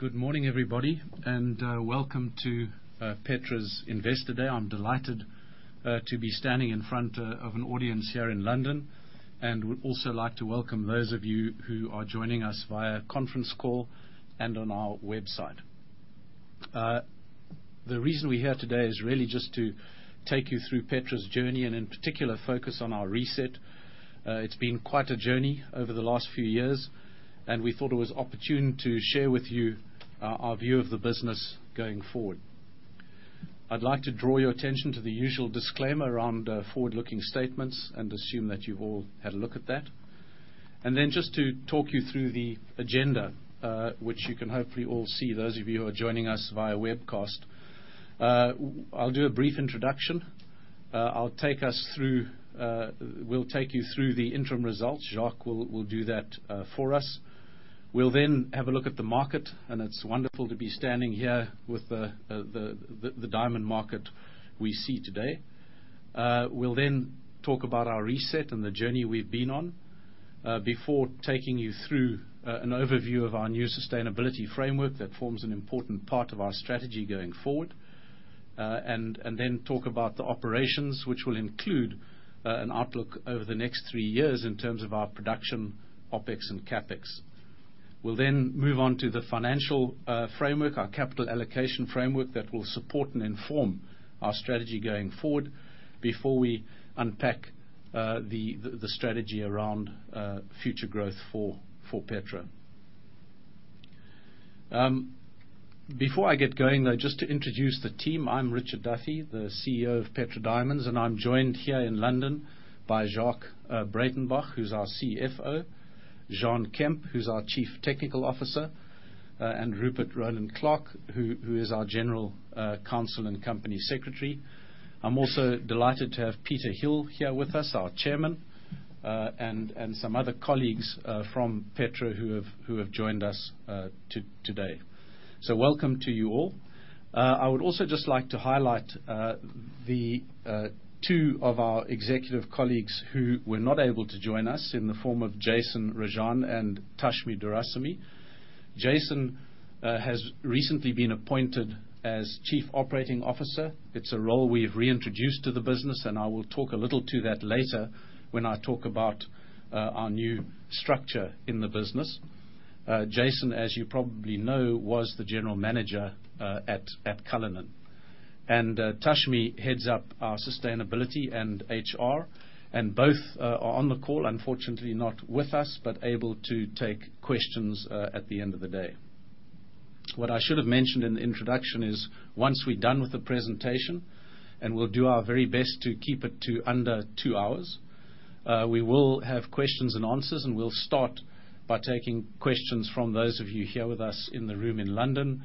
Good morning, everybody, and welcome to Petra's Investor Day. I'm delighted to be standing in front of an audience here in London. I would also like to welcome those of you who are joining us via conference call and on our website. The reason we're here today is really just to take you through Petra's journey, and in particular, focus on our reset. It's been quite a journey over the last few years, and we thought it was opportune to share with you our view of the business going forward. I'd like to draw your attention to the usual disclaimer around forward-looking statements and assume that you've all had a look at that. Then just to talk you through the agenda, which you can hopefully all see, those of you who are joining us via webcast. I'll do a brief introduction. We'll take you through the interim results. Jacques will do that for us. We'll then have a look at the market, and it's wonderful to be standing here with the diamond market we see today. We'll then talk about our reset and the journey we've been on before taking you through an overview of our new sustainability framework that forms an important part of our strategy going forward. We'll then talk about the operations, which will include an outlook over the next three years in terms of our production OpEx and CapEx. We'll then move on to the financial framework, our capital allocation framework that will support and inform our strategy going forward before we unpack the strategy around future growth for Petra. Before I get going, though, just to introduce the team. I'm Richard Duffy, the CEO of Petra Diamonds, and I'm joined here in London by Jacques Breytenbach, who's our CFO, Juan Kemp, who's our Chief Technical Officer, and Rupert Rowland-Clark, who is our General Counsel and Company Secretary. I'm also delighted to have Peter Hill here with us, our Chairman, and some other colleagues from Petra who have joined us today. Welcome to you all. I would also just like to highlight the two of our executive colleagues who were not able to join us in the form of Jason Rajan and Tashmi Doorasamy. Jason has recently been appointed as Chief Operating Officer. It's a role we've reintroduced to the business, and I will talk a little to that later when I talk about our new structure in the business. Jason, as you probably know, was the General Manager at Cullinan. Tashmi heads up our Sustainability and HR, and both are on the call, unfortunately, not with us, but able to take questions at the end of the day. What I should have mentioned in the introduction is once we're done with the presentation, and we'll do our very best to keep it to under two hours, we will have questions and answers, and we'll start by taking questions from those of you here with us in the room in London,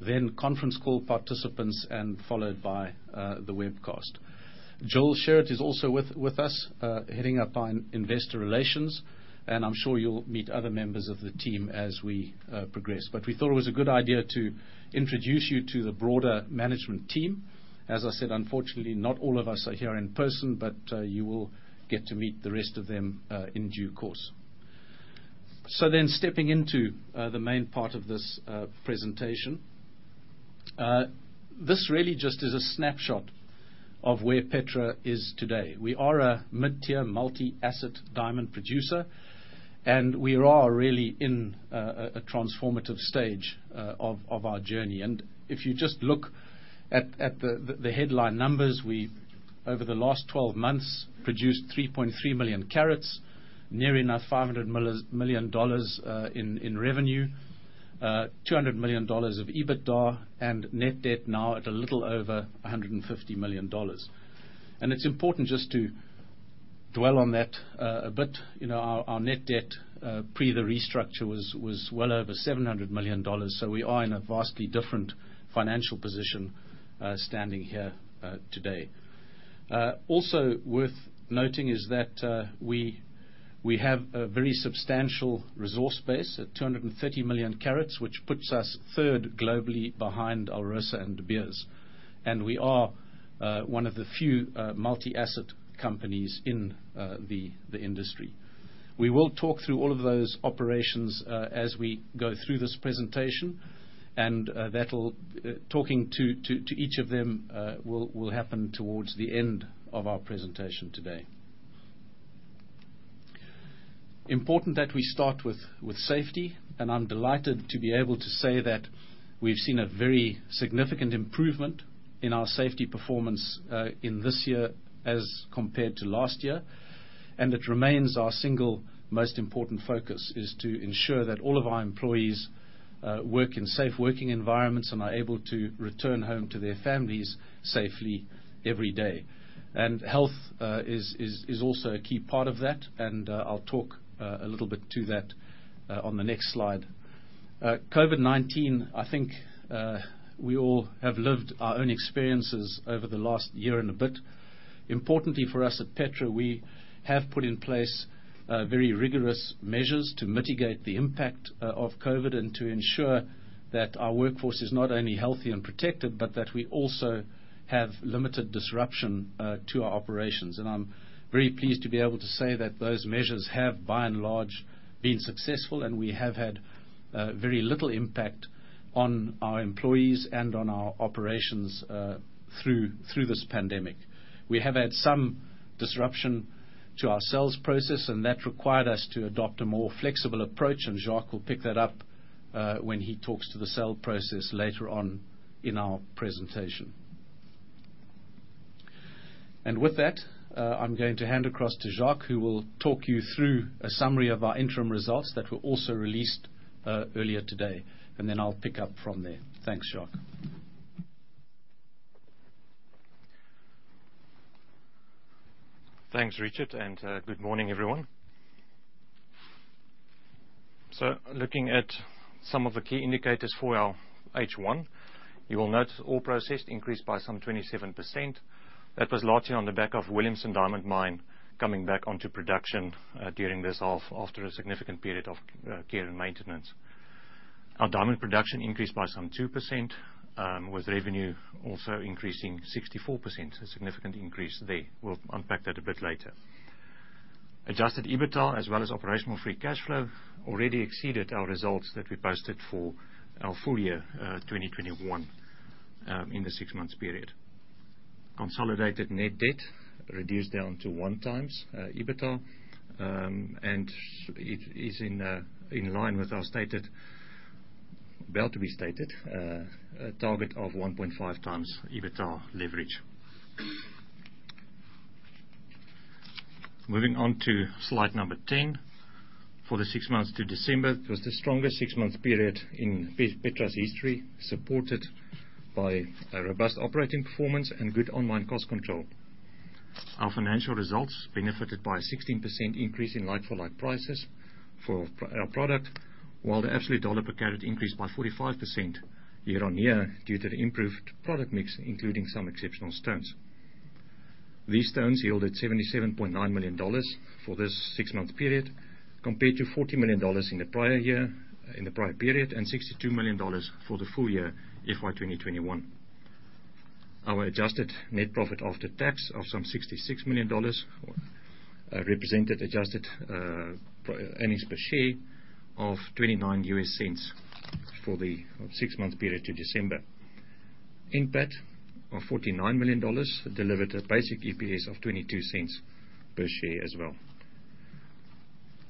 then conference call participants, and followed by the webcast. Jill Sherratt is also with us, heading up our investor relations, and I'm sure you'll meet other members of the team as we progress. We thought it was a good idea to introduce you to the broader management team. As I said, unfortunately, not all of us are here in person, but you will get to meet the rest of them in due course. Stepping into the main part of this presentation. This really just is a snapshot of where Petra is today. We are a mid-tier multi-asset diamond producer, and we are really in a transformative stage of our journey. If you just look at the headline numbers, we over the last 12 months produced 3.3 million carats, nearing $500 million in revenue, $200 million of EBITDA and net debt now at a little over $150 million. It's important just to dwell on that a bit. You know, our net debt pre the restructure was well over $700 million. We are in a vastly different financial position standing here today. Also worth noting is that we have a very substantial resource base at 230 million carats, which puts us third globally behind ALROSA and De Beers. We are one of the few multi-asset companies in the industry. We will talk through all of those operations as we go through this presentation. Talking to each of them will happen towards the end of our presentation today. Important that we start with safety, and I'm delighted to be able to say that we've seen a very significant improvement in our safety performance in this year as compared to last year. It remains our single most important focus is to ensure that all of our employees work in safe working environments and are able to return home to their families safely every day. Health is also a key part of that, and I'll talk a little bit to that on the next slide. COVID-19, I think, we all have lived our own experiences over the last year and a bit. Importantly for us at Petra, we have put in place very rigorous measures to mitigate the impact of COVID and to ensure that our workforce is not only healthy and protected, but that we also have limited disruption to our operations. I'm very pleased to be able to say that those measures have, by and large, been successful, and we have had very little impact on our employees and on our operations through this pandemic. We have had some disruption to our sales process, and that required us to adopt a more flexible approach, and Jacques will pick that up when he talks to the sales process later on in our presentation. With that, I'm going to hand across to Jacques, who will talk you through a summary of our interim results that were also released earlier today, and then I'll pick up from there. Thanks, Jacques. Thanks, Richard, and good morning, everyone. Looking at some of the key indicators for our H1, you will note ore processed increased by some 27%. That was largely on the back of Williamson diamond mine coming back onto production during this half after a significant period of care and maintenance. Our diamond production increased by some 2%, with revenue also increasing 64%, a significant increase there. We'll unpack that a bit later. Adjusted EBITDA, as well as operational free cash flow, already exceeded our results that we posted for our full year 2021 in the six-month period. Consolidated net debt reduced down to 1x EBITDA, and it is in line with our to-be-stated target of 1.5x EBITDA leverage. Moving on to slide 10. For the six months to December, it was the strongest six-month period in Petra's history, supported by a robust operating performance and good ongoing cost control. Our financial results benefited by a 16% increase in like-for-like prices for our product, while the absolute dollar per carat increased by 45% year-on-year due to the improved product mix, including some exceptional stones. These stones yielded $77.9 million for this six-month period, compared to $40 million in the prior period, and $62 million for the full year FY 2021. Our adjusted net profit after tax of some $66 million represented adjusted earnings per share of $0.29 for the six-month period to December. NPAT of $49 million delivered a basic EPS of $0.22 per share as well.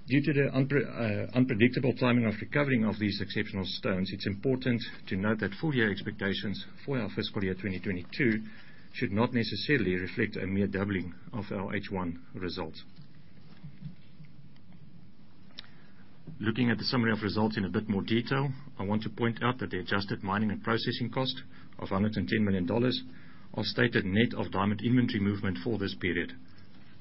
Due to the unpredictable timing of recovering of these exceptional stones, it's important to note that full-year expectations for our FY 2022 should not necessarily reflect a mere doubling of our H1 results. Looking at the summary of results in a bit more detail, I want to point out that the adjusted mining and processing cost of $110 million are stated net of diamond inventory movement for this period.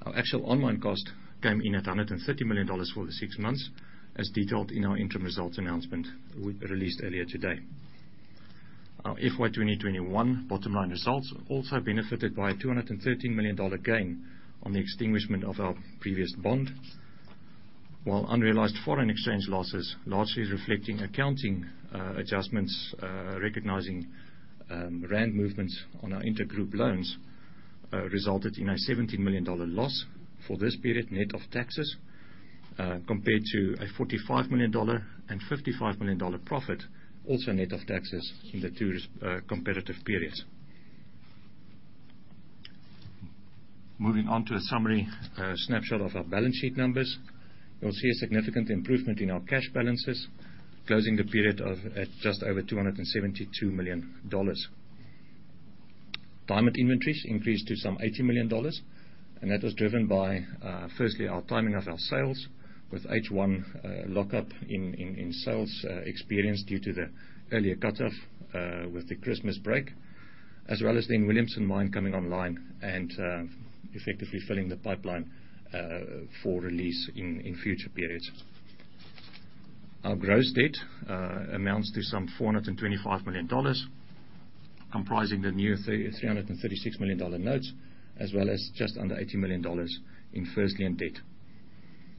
Our actual on-mine cost came in at $130 million for the six months, as detailed in our interim results announcement we released earlier today. Our FY 2021 bottom line results also benefited by a $213 million gain on the extinguishment of our previous bond. While unrealized foreign exchange losses, largely reflecting accounting adjustments, recognizing rand movements on our intergroup loans, resulted in a $17 million loss for this period net of taxes, compared to a $45 million and $55 million profit, also net of taxes in the two comparative periods. Moving on to a summary snapshot of our balance sheet numbers. You'll see a significant improvement in our cash balances, closing the period at just over $272 million. Diamond inventories increased to some $80 million, and that was driven by firstly our timing of our sales with H1 lockup in sales experience due to the earlier cutoff with the Christmas break, as well as then Williamson mine coming online and effectively filling the pipeline for release in future periods. Our gross debt amounts to some $425 million, comprising the new $336 million notes, as well as just under $80 million in first lien debt.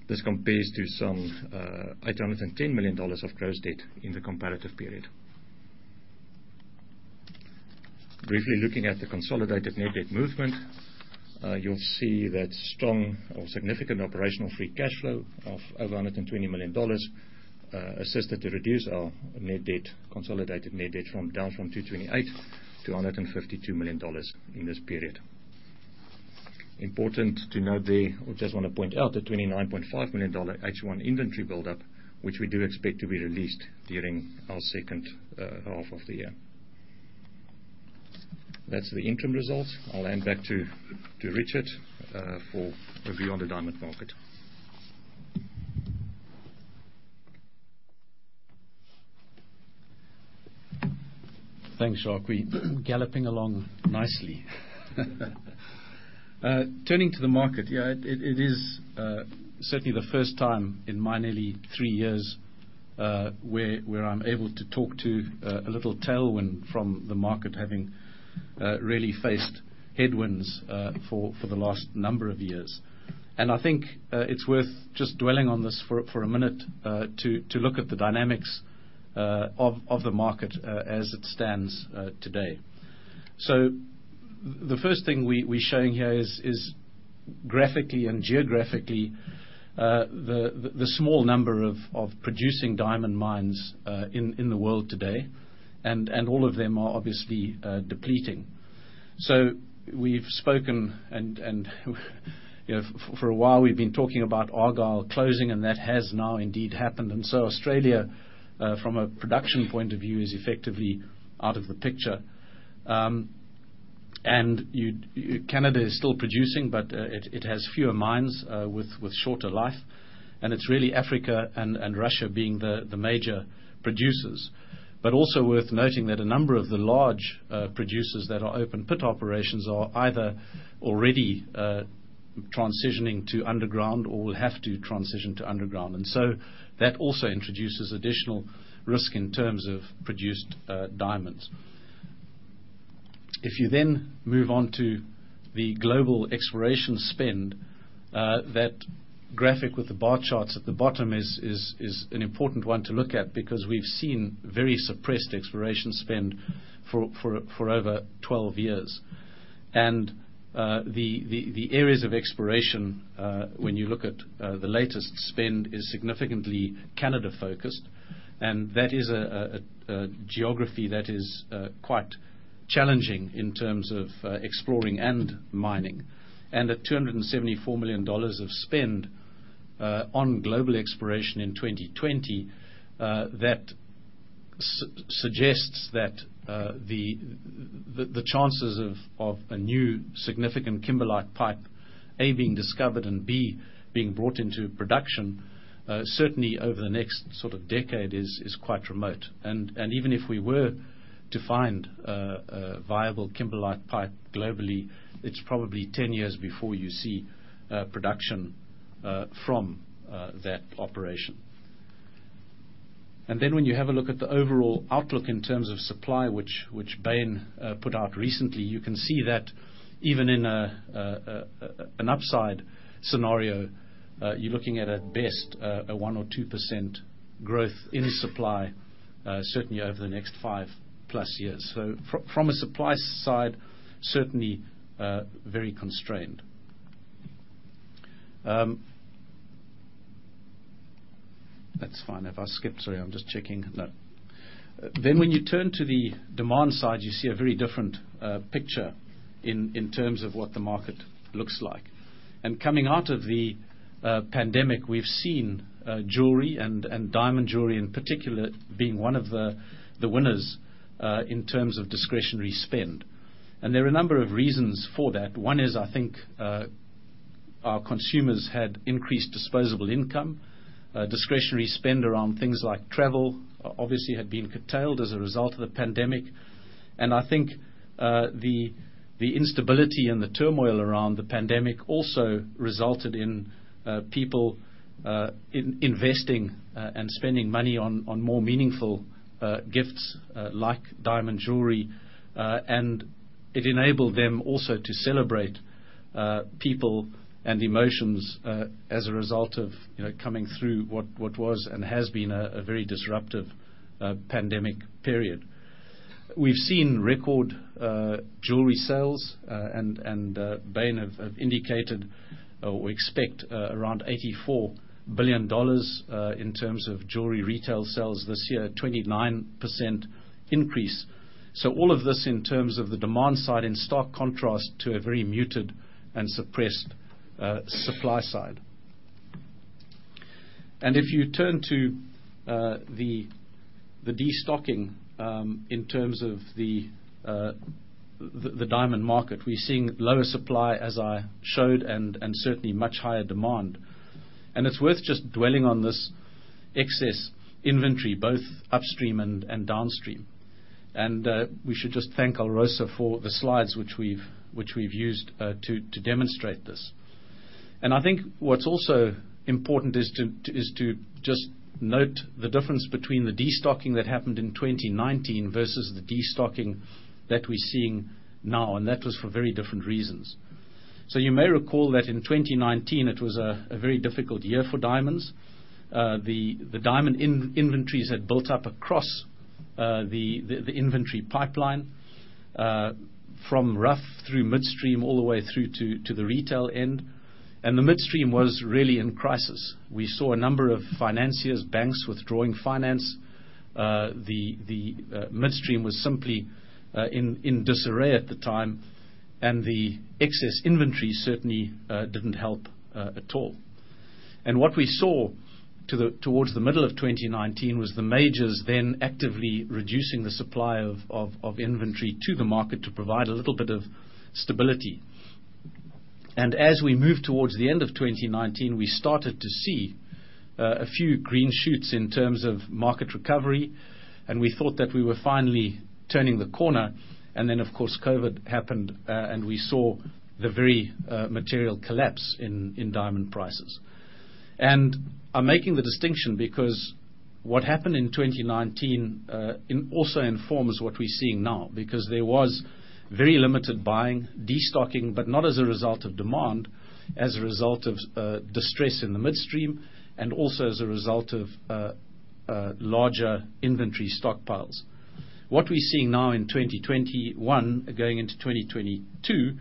This compares to some $810 million of gross debt in the comparative period. Briefly looking at the consolidated net debt movement, you'll see that strong or significant operational free cash flow of over $120 million assisted to reduce our net debt, consolidated net debt from $228 million to $152 million in this period. Important to note there, or just want to point out, the $29.5 million H1 inventory buildup, which we do expect to be released during our second half of the year. That's the interim results. I'll hand back to Richard for a view on the diamond market. Thanks, Jacques. We're galloping along nicely. Turning to the market, yeah, it is certainly the first time in my nearly three years where I'm able to talk about a little tailwind from the market having really faced headwinds for the last number of years. I think it's worth just dwelling on this for a minute to look at the dynamics of the market as it stands today. The first thing we're showing here is graphically and geographically the small number of producing diamond mines in the world today, and all of them are obviously depleting. We've spoken, you know, for a while we've been talking about Argyle closing, and that has now indeed happened. Australia, from a production point of view is effectively out of the picture. Canada is still producing, but it has fewer mines with shorter life. It's really Africa and Russia being the major producers. Also worth noting that a number of the large producers that are open pit operations are either already transitioning to underground or will have to transition to underground. That also introduces additional risk in terms of produced diamonds. If you then move on to the global exploration spend, that graphic with the bar charts at the bottom is an important one to look at because we've seen very suppressed exploration spend for over 12 years. The areas of exploration, when you look at the latest spend, is significantly Canada-focused, and that is a geography that is quite challenging in terms of exploring and mining. And the $274 million of spend on global exploration in 2020, that suggests that the chances of a new significant kimberlite pipe, A, being discovered and B, being brought into production certainly over the next decade is remote. Even if we were to find a viable kimberlite pipe globally, it's probably 10 years before you see production from that operation. When you have a look at the overall outlook in terms of supply, which Bain put out recently, you can see that even in an upside scenario, you're looking at best a 1%-2% growth in supply, certainly over the next five-plus years. From a supply side, certainly very constrained. That's fine. Have I skipped? Sorry, I'm just checking. No. When you turn to the demand side, you see a very different picture in terms of what the market looks like. Coming out of the pandemic, we've seen jewelry and diamond jewelry in particular being one of the winners in terms of discretionary spend. There are a number of reasons for that. One is, I think, our consumers had increased disposable income. Discretionary spend around things like travel obviously had been curtailed as a result of the pandemic. I think the instability and the turmoil around the pandemic also resulted in people investing and spending money on more meaningful gifts like diamond jewelry. It enabled them also to celebrate people and emotions as a result of, you know, coming through what was and has been a very disruptive pandemic period. We've seen record jewelry sales, and Bain have indicated or expect around $84 billion in terms of jewelry retail sales this year, a 29% increase. All of this in terms of the demand side in stark contrast to a very muted and suppressed supply side. If you turn to the destocking in terms of the diamond market, we're seeing lower supply, as I showed, and certainly much higher demand. It's worth just dwelling on this excess inventory, both upstream and downstream. We should just thank ALROSA for the slides which we've used to demonstrate this. I think what's also important is to just note the difference between the destocking that happened in 2019 versus the destocking that we're seeing now, and that was for very different reasons. You may recall that in 2019, it was a very difficult year for diamonds. The diamond inventories had built up across the inventory pipeline from rough through midstream all the way through to the retail end. The midstream was really in crisis. We saw a number of financiers, banks withdrawing finance. The midstream was simply in disarray at the time, and the excess inventory certainly didn't help at all. What we saw towards the middle of 2019 was the majors then actively reducing the supply of inventory to the market to provide a little bit of stability. As we moved towards the end of 2019, we started to see a few green shoots in terms of market recovery, and we thought that we were finally turning the corner. Then, of course, COVID happened, and we saw the very material collapse in diamond prices. I'm making the distinction because what happened in 2019 also informs what we're seeing now, because there was very limited buying, destocking, but not as a result of demand, as a result of distress in the midstream, and also as a result of larger inventory stockpiles. What we're seeing now in 2021 going into 2022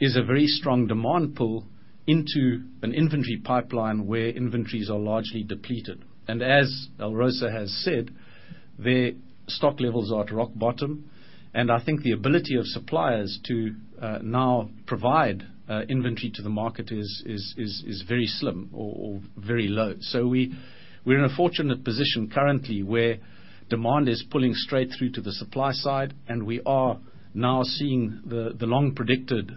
is a very strong demand pull into an inventory pipeline where inventories are largely depleted. As ALROSA has said, their stock levels are at rock bottom, and I think the ability of suppliers to now provide inventory to the market is very slim or very low. We're in a fortunate position currently where demand is pulling straight through to the supply side, and we are now seeing the long-predicted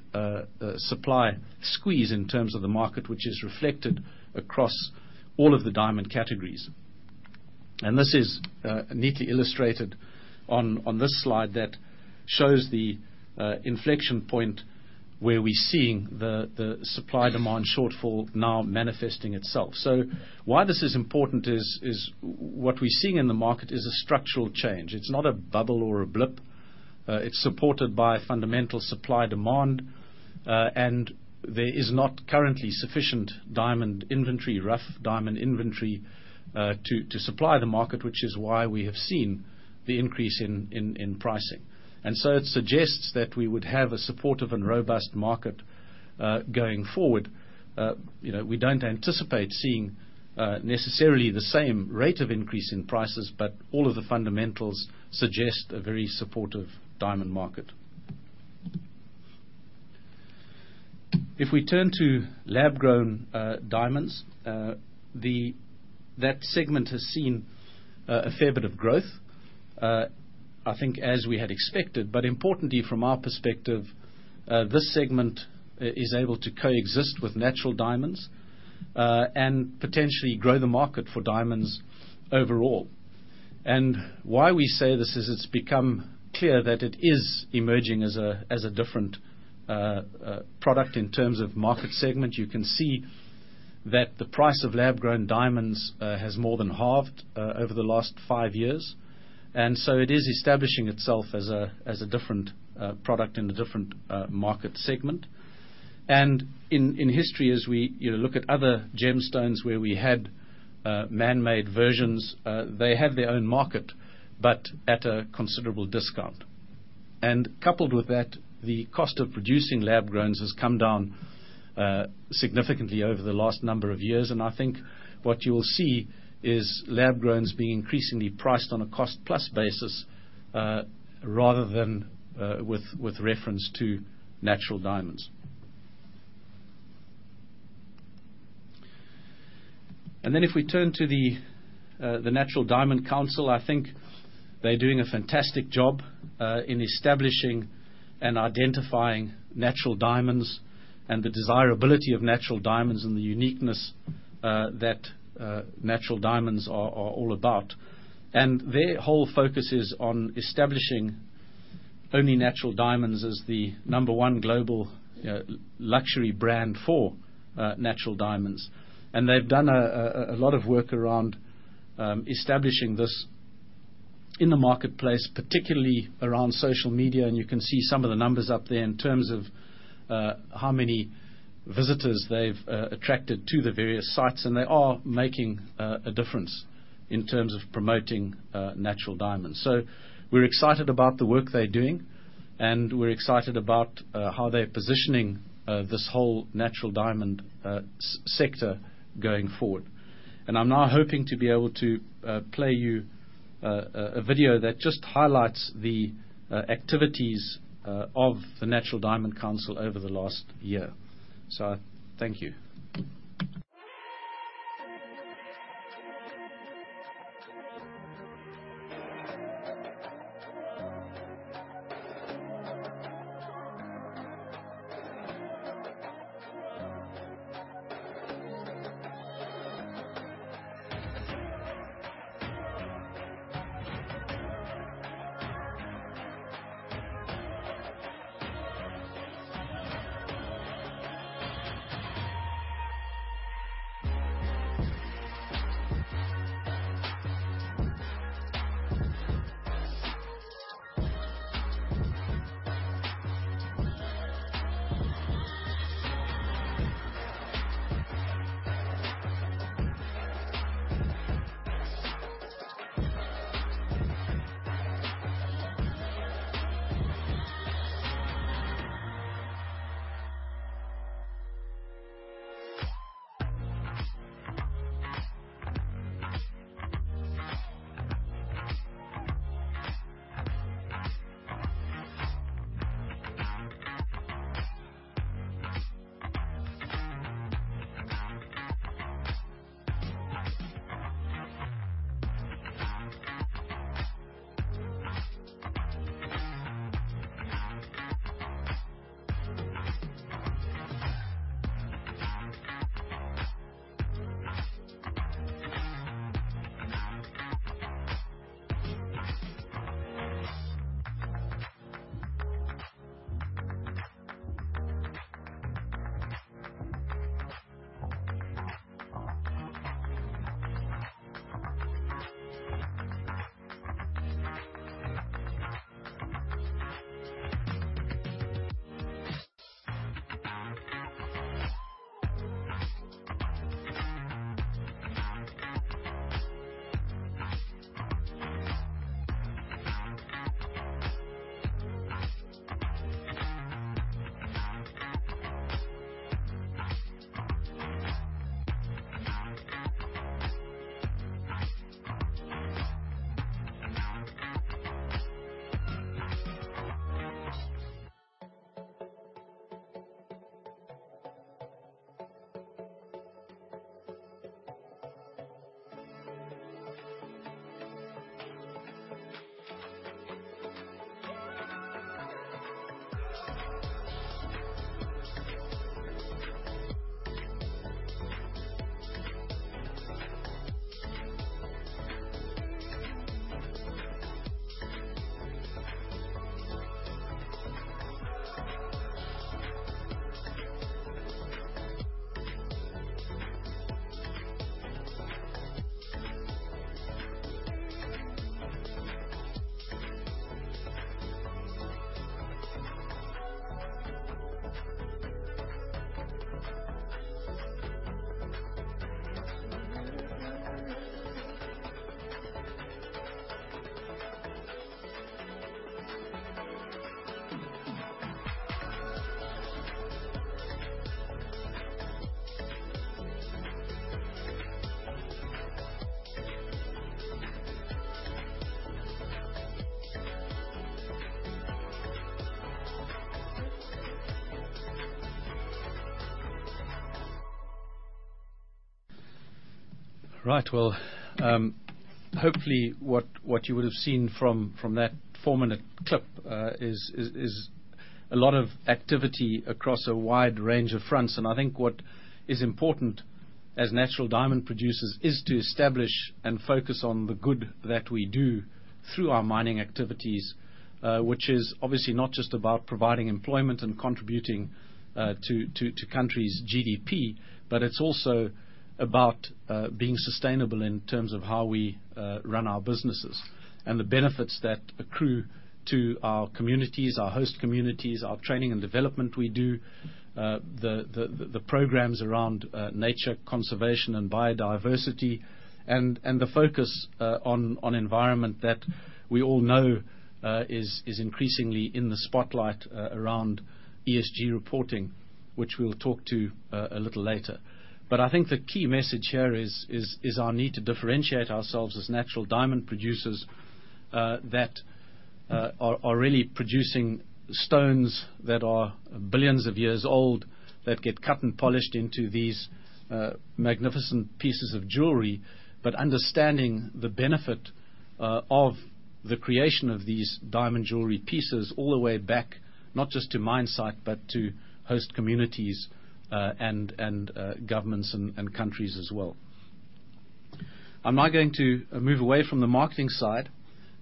supply squeeze in terms of the market, which is reflected across all of the diamond categories. This is neatly illustrated on this slide that shows the inflection point where we're seeing the supply-demand shortfall now manifesting itself. Why this is important is what we're seeing in the market is a structural change. It's not a bubble or a blip. It's supported by fundamental supply-demand and there is not currently sufficient diamond inventory, rough diamond inventory, to supply the market, which is why we have seen the increase in pricing. It suggests that we would have a supportive and robust market going forward. You know, we don't anticipate seeing necessarily the same rate of increase in prices, but all of the fundamentals suggest a very supportive diamond market. If we turn to lab-grown diamonds, that segment has seen a fair bit of growth, I think as we had expected. But importantly from our perspective, this segment is able to coexist with natural diamonds and potentially grow the market for diamonds overall. Why we say this is it's become clear that it is emerging as a different product in terms of market segment. You can see that the price of lab-grown diamonds has more than halved over the last five years. It is establishing itself as a different product in a different market segment. In history, as we, you know, look at other gemstones where we had man-made versions, they have their own market, but at a considerable discount. Coupled with that, the cost of producing lab-growns has come down significantly over the last number of years. I think what you will see is lab-growns being increasingly priced on a cost-plus basis, rather than with reference to natural diamonds. Then if we turn to the Natural Diamond Council, I think they're doing a fantastic job in establishing and identifying natural diamonds and the desirability of natural diamonds and the uniqueness that natural diamonds are all about. Their whole focus is on establishing only natural diamonds as the number one global luxury brand for natural diamonds. They've done a lot of work around establishing this in the marketplace, particularly around social media. You can see some of the numbers up there in terms of how many visitors they've attracted to the various sites, and they are making a difference in terms of promoting natural diamonds. We're excited about the work they're doing, and we're excited about how they're positioning this whole natural diamond sector going forward. I'm now hoping to be able to play you a video that just highlights the activities of the Natural Diamond Council over the last year. Thank you. Right. Hopefully what you would have seen from that four-minute clip is a lot of activity across a wide range of fronts. I think what is important as natural diamond producers is to establish and focus on the good that we do through our mining activities. Which is obviously not just about providing employment and contributing to countries' GDP, but it's also about being sustainable in terms of how we run our businesses. The benefits that accrue to our communities, our host communities, our training and development we do. The programs around nature conservation and biodiversity. The focus on environment that we all know is increasingly in the spotlight around ESG reporting, which we'll talk to a little later. I think the key message here is our need to differentiate ourselves as natural diamond producers that are really producing stones that are billions of years old that get cut and polished into these magnificent pieces of jewelry. Understanding the benefit of the creation of these diamond jewelry pieces all the way back, not just to mine site, but to host communities and governments and countries as well. I'm now going to move away from the marketing side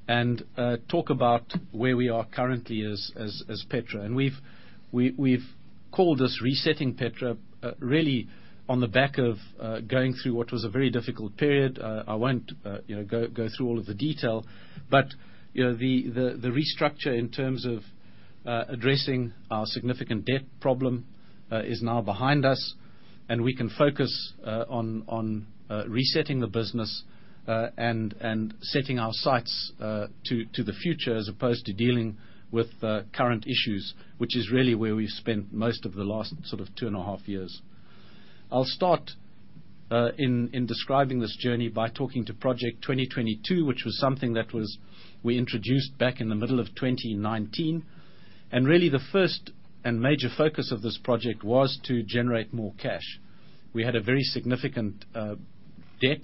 and talk about where we are currently as Petra. We've called this resetting Petra really on the back of going through what was a very difficult period. I won't, you know, go through all of the detail, but, you know, the restructure in terms of, addressing our significant debt problem, is now behind us. We can focus on resetting the business, and setting our sights to the future, as opposed to dealing with current issues, which is really where we've spent most of the last sort of two and a half years. I'll start in describing this journey by talking to Project 2022, which was something that we introduced back in the middle of 2019. Really the first and major focus of this project was to generate more cash. We had a very significant debt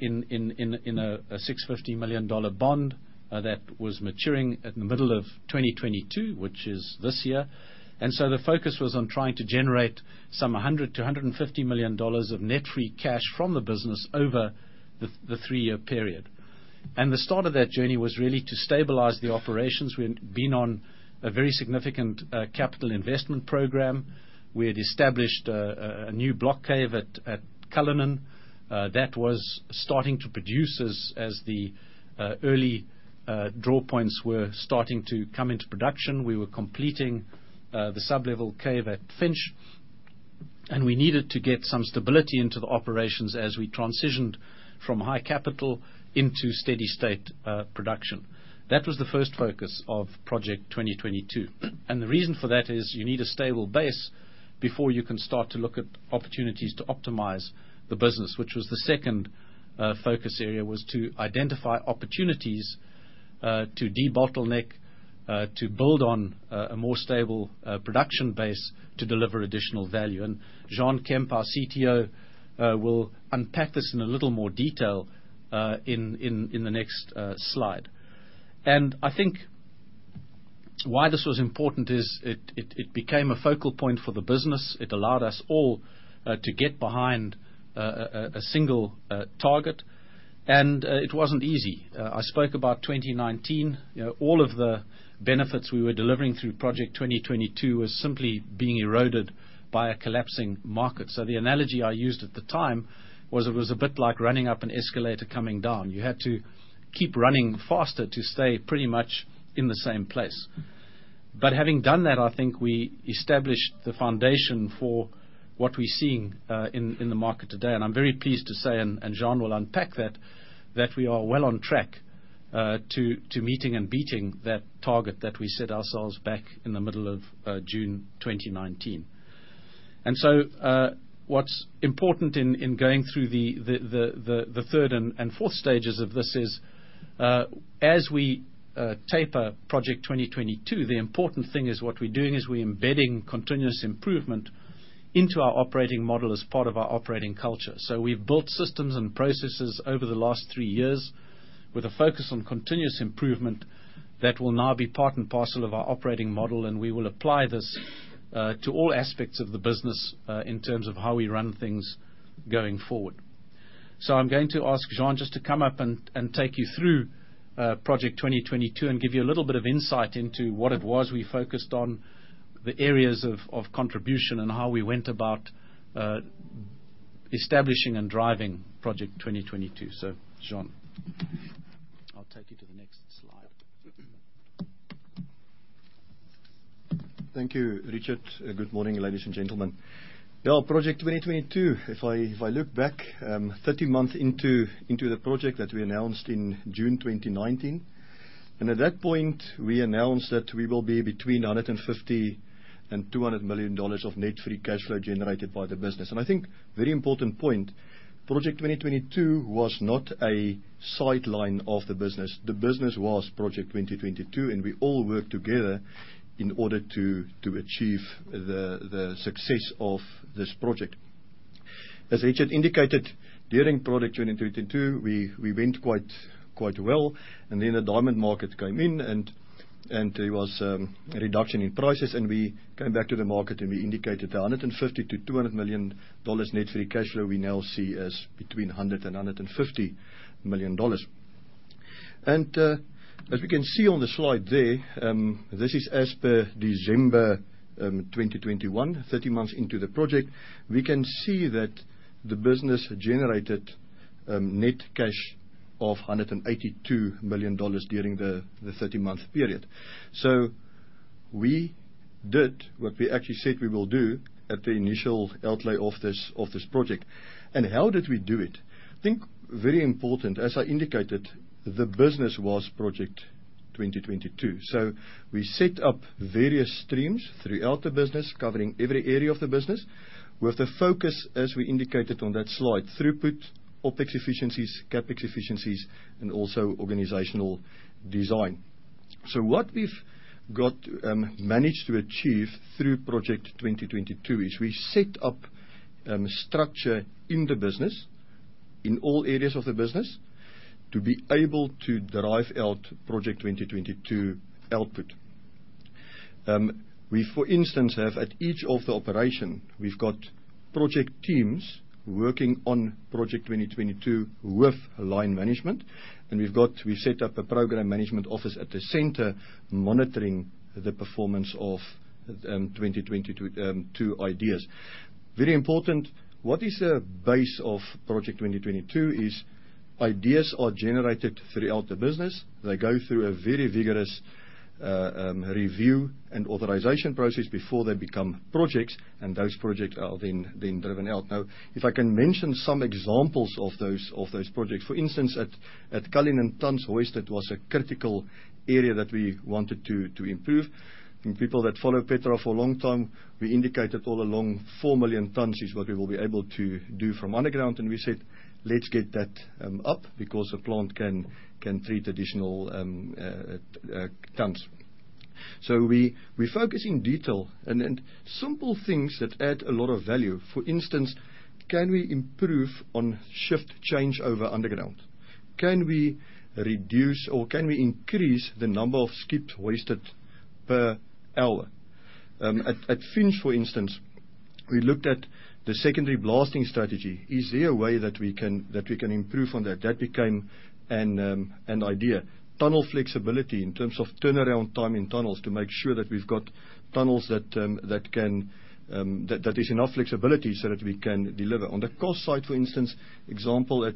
in a $650 million bond that was maturing in the middle of 2022, which is this year. The focus was on trying to generate $100 million-$150 million of net free cash from the business over the three-year period. The start of that journey was really to stabilize the operations. We had been on a very significant capital investment program. We had established a new block cave at Cullinan that was starting to produce as the early draw points were starting to come into production. We were completing the sublevel cave at Finsch, and we needed to get some stability into the operations as we transitioned from high capital into steady state production. That was the first focus of Project 2022. The reason for that is you need a stable base before you can start to look at opportunities to optimize the business. Which was the second focus area, was to identify opportunities to debottleneck to build on a more stable production base to deliver additional value. Juan Kemp, our CTO, will unpack this in a little more detail in the next slide. I think why this was important is it became a focal point for the business. It allowed us all to get behind a single target. It wasn't easy. I spoke about 2019. You know, all of the benefits we were delivering through Project 2022 was simply being eroded by a collapsing market. The analogy I used at the time was, it was a bit like running up an escalator coming down. You had to keep running faster to stay pretty much in the same place. Having done that, I think we established the foundation for what we're seeing in the market today. I'm very pleased to say, and Juan will unpack that we are well on track to meeting and beating that target that we set ourselves back in the middle of June 2019. What's important in going through the third and fourth stages of this is, as we taper Project 2022, the important thing is what we're doing is we're embedding continuous improvement into our operating model as part of our operating culture. We've built systems and processes over the last three years with a focus on continuous improvement that will now be part and parcel of our operating model, and we will apply this to all aspects of the business in terms of how we run things going forward. I'm going to ask Juan just to come up and take you through Project 2022 and give you a little bit of insight into what it was we focused on, the areas of contribution, and how we went about establishing and driving Project 2022. Juan. I'll take you to the next slide. Thank you, Richard. Good morning, ladies and gentlemen. Yeah, Project 2022. If I look back 30 months into the project that we announced in June 2019. At that point, we announced that we will be between $150 million and $200 million of net free cash flow generated by the business. I think very important point, Project 2022 was not a sideline of the business. The business was Project 2022, and we all worked together in order to achieve the success of this project. As Richard indicated, during Project 2022, we went quite well, and then the diamond market came in and there was a reduction in prices, and we came back to the market, and we indicated $150 million-$200 million net free cash flow we now see as between $100 million and $150 million. As we can see on the slide there, this is as per December 2021, 30 months into the project. We can see that the business generated net cash of $182 million during the 30-month period. We did what we actually said we will do at the initial outlay of this project. How did we do it? I think very important, as I indicated, the business was Project 2022. We set up various streams throughout the business, covering every area of the business, with the focus, as we indicated on that slide, throughput, OpEx efficiencies, CapEx efficiencies, and also organizational design. What we've got managed to achieve through Project 2022 is we set up structure in the business, in all areas of the business, to be able to derive out Project 2022 output. We, for instance, have at each of the operations, we've got project teams working on Project 2022 with line management. We set up a program management office at the center monitoring the performance of 2022 ideas. Very important, what is the basis of Project 2022 is ideas are generated throughout the business. They go through a very vigorous review and authorization process before they become projects, and those projects are then driven out. Now, if I can mention some examples of those projects. For instance, at Cullinan tonnes wasted was a critical area that we wanted to improve. People that follow Petra for a long time, we indicated all along 4 million tonnes is what we will be able to do from underground. We said, "Let's get that up," because the plant can treat additional tonnes. We focus in detail and simple things that add a lot of value. For instance, can we improve on shift changeover underground? Can we reduce or can we increase the number of skipped wasted per hour? At Finsch, for instance, we looked at the secondary blasting strategy. Is there a way that we can improve on that? That became an idea. Tunnel flexibility in terms of turnaround time in tunnels to make sure that we've got tunnels that can that is enough flexibility so that we can deliver. On the cost side, for instance, example at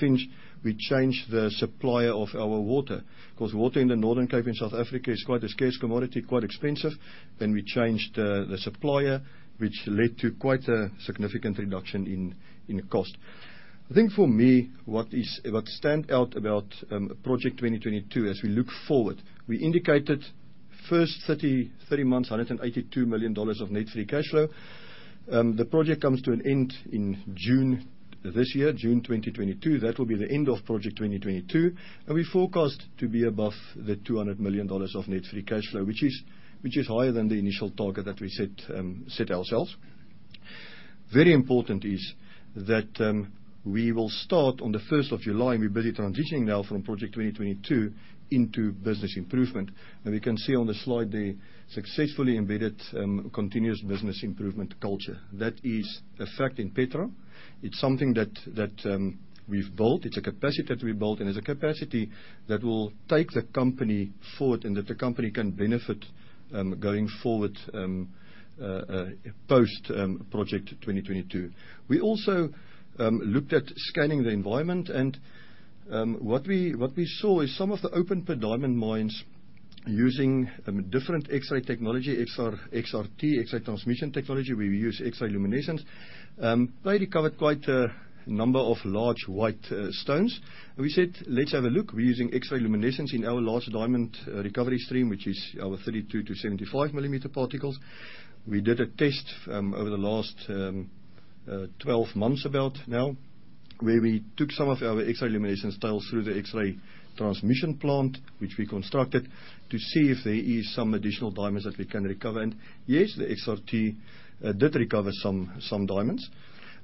Finsch, we changed the supplier of our water, 'cause water in the Northern Cape in South Africa is quite a scarce commodity, quite expensive. We changed the supplier, which led to quite a significant reduction in cost. I think for me, what stands out about Project 2022 as we look forward, we indicated first 30 months, $182 million of net free cash flow. The project comes to an end in June this year, June 2022. That will be the end of Project 2022, and we forecast to be above $200 million of net free cash flow, which is higher than the initial target that we set ourselves. Very important is that we will start on the 1st of July, and we're busy transitioning now from Project 2022 into business improvement. We can see on the slide the successfully embedded continuous business improvement culture. That is effect in Petra. It's something that we've built. It's a capacity that we built, and it's a capacity that will take the company forward and that the company can benefit going forward post Project 2022. We also looked at scanning the environment, and what we saw is some of the open pit diamond mines. Using different X-ray technology, XRT, X-ray transmission technology, we use X-ray luminescence. They recovered quite a number of large white stones. We said, "Let's have a look." We're using X-ray luminescence in our large diamond recovery stream, which is our 32-75 mm particles. We did a test over the last 12 months about now, where we took some of our X-ray luminescence tiles through the X-ray transmission plant, which we constructed, to see if there is some additional diamonds that we can recover. Yes, the XRT did recover some diamonds.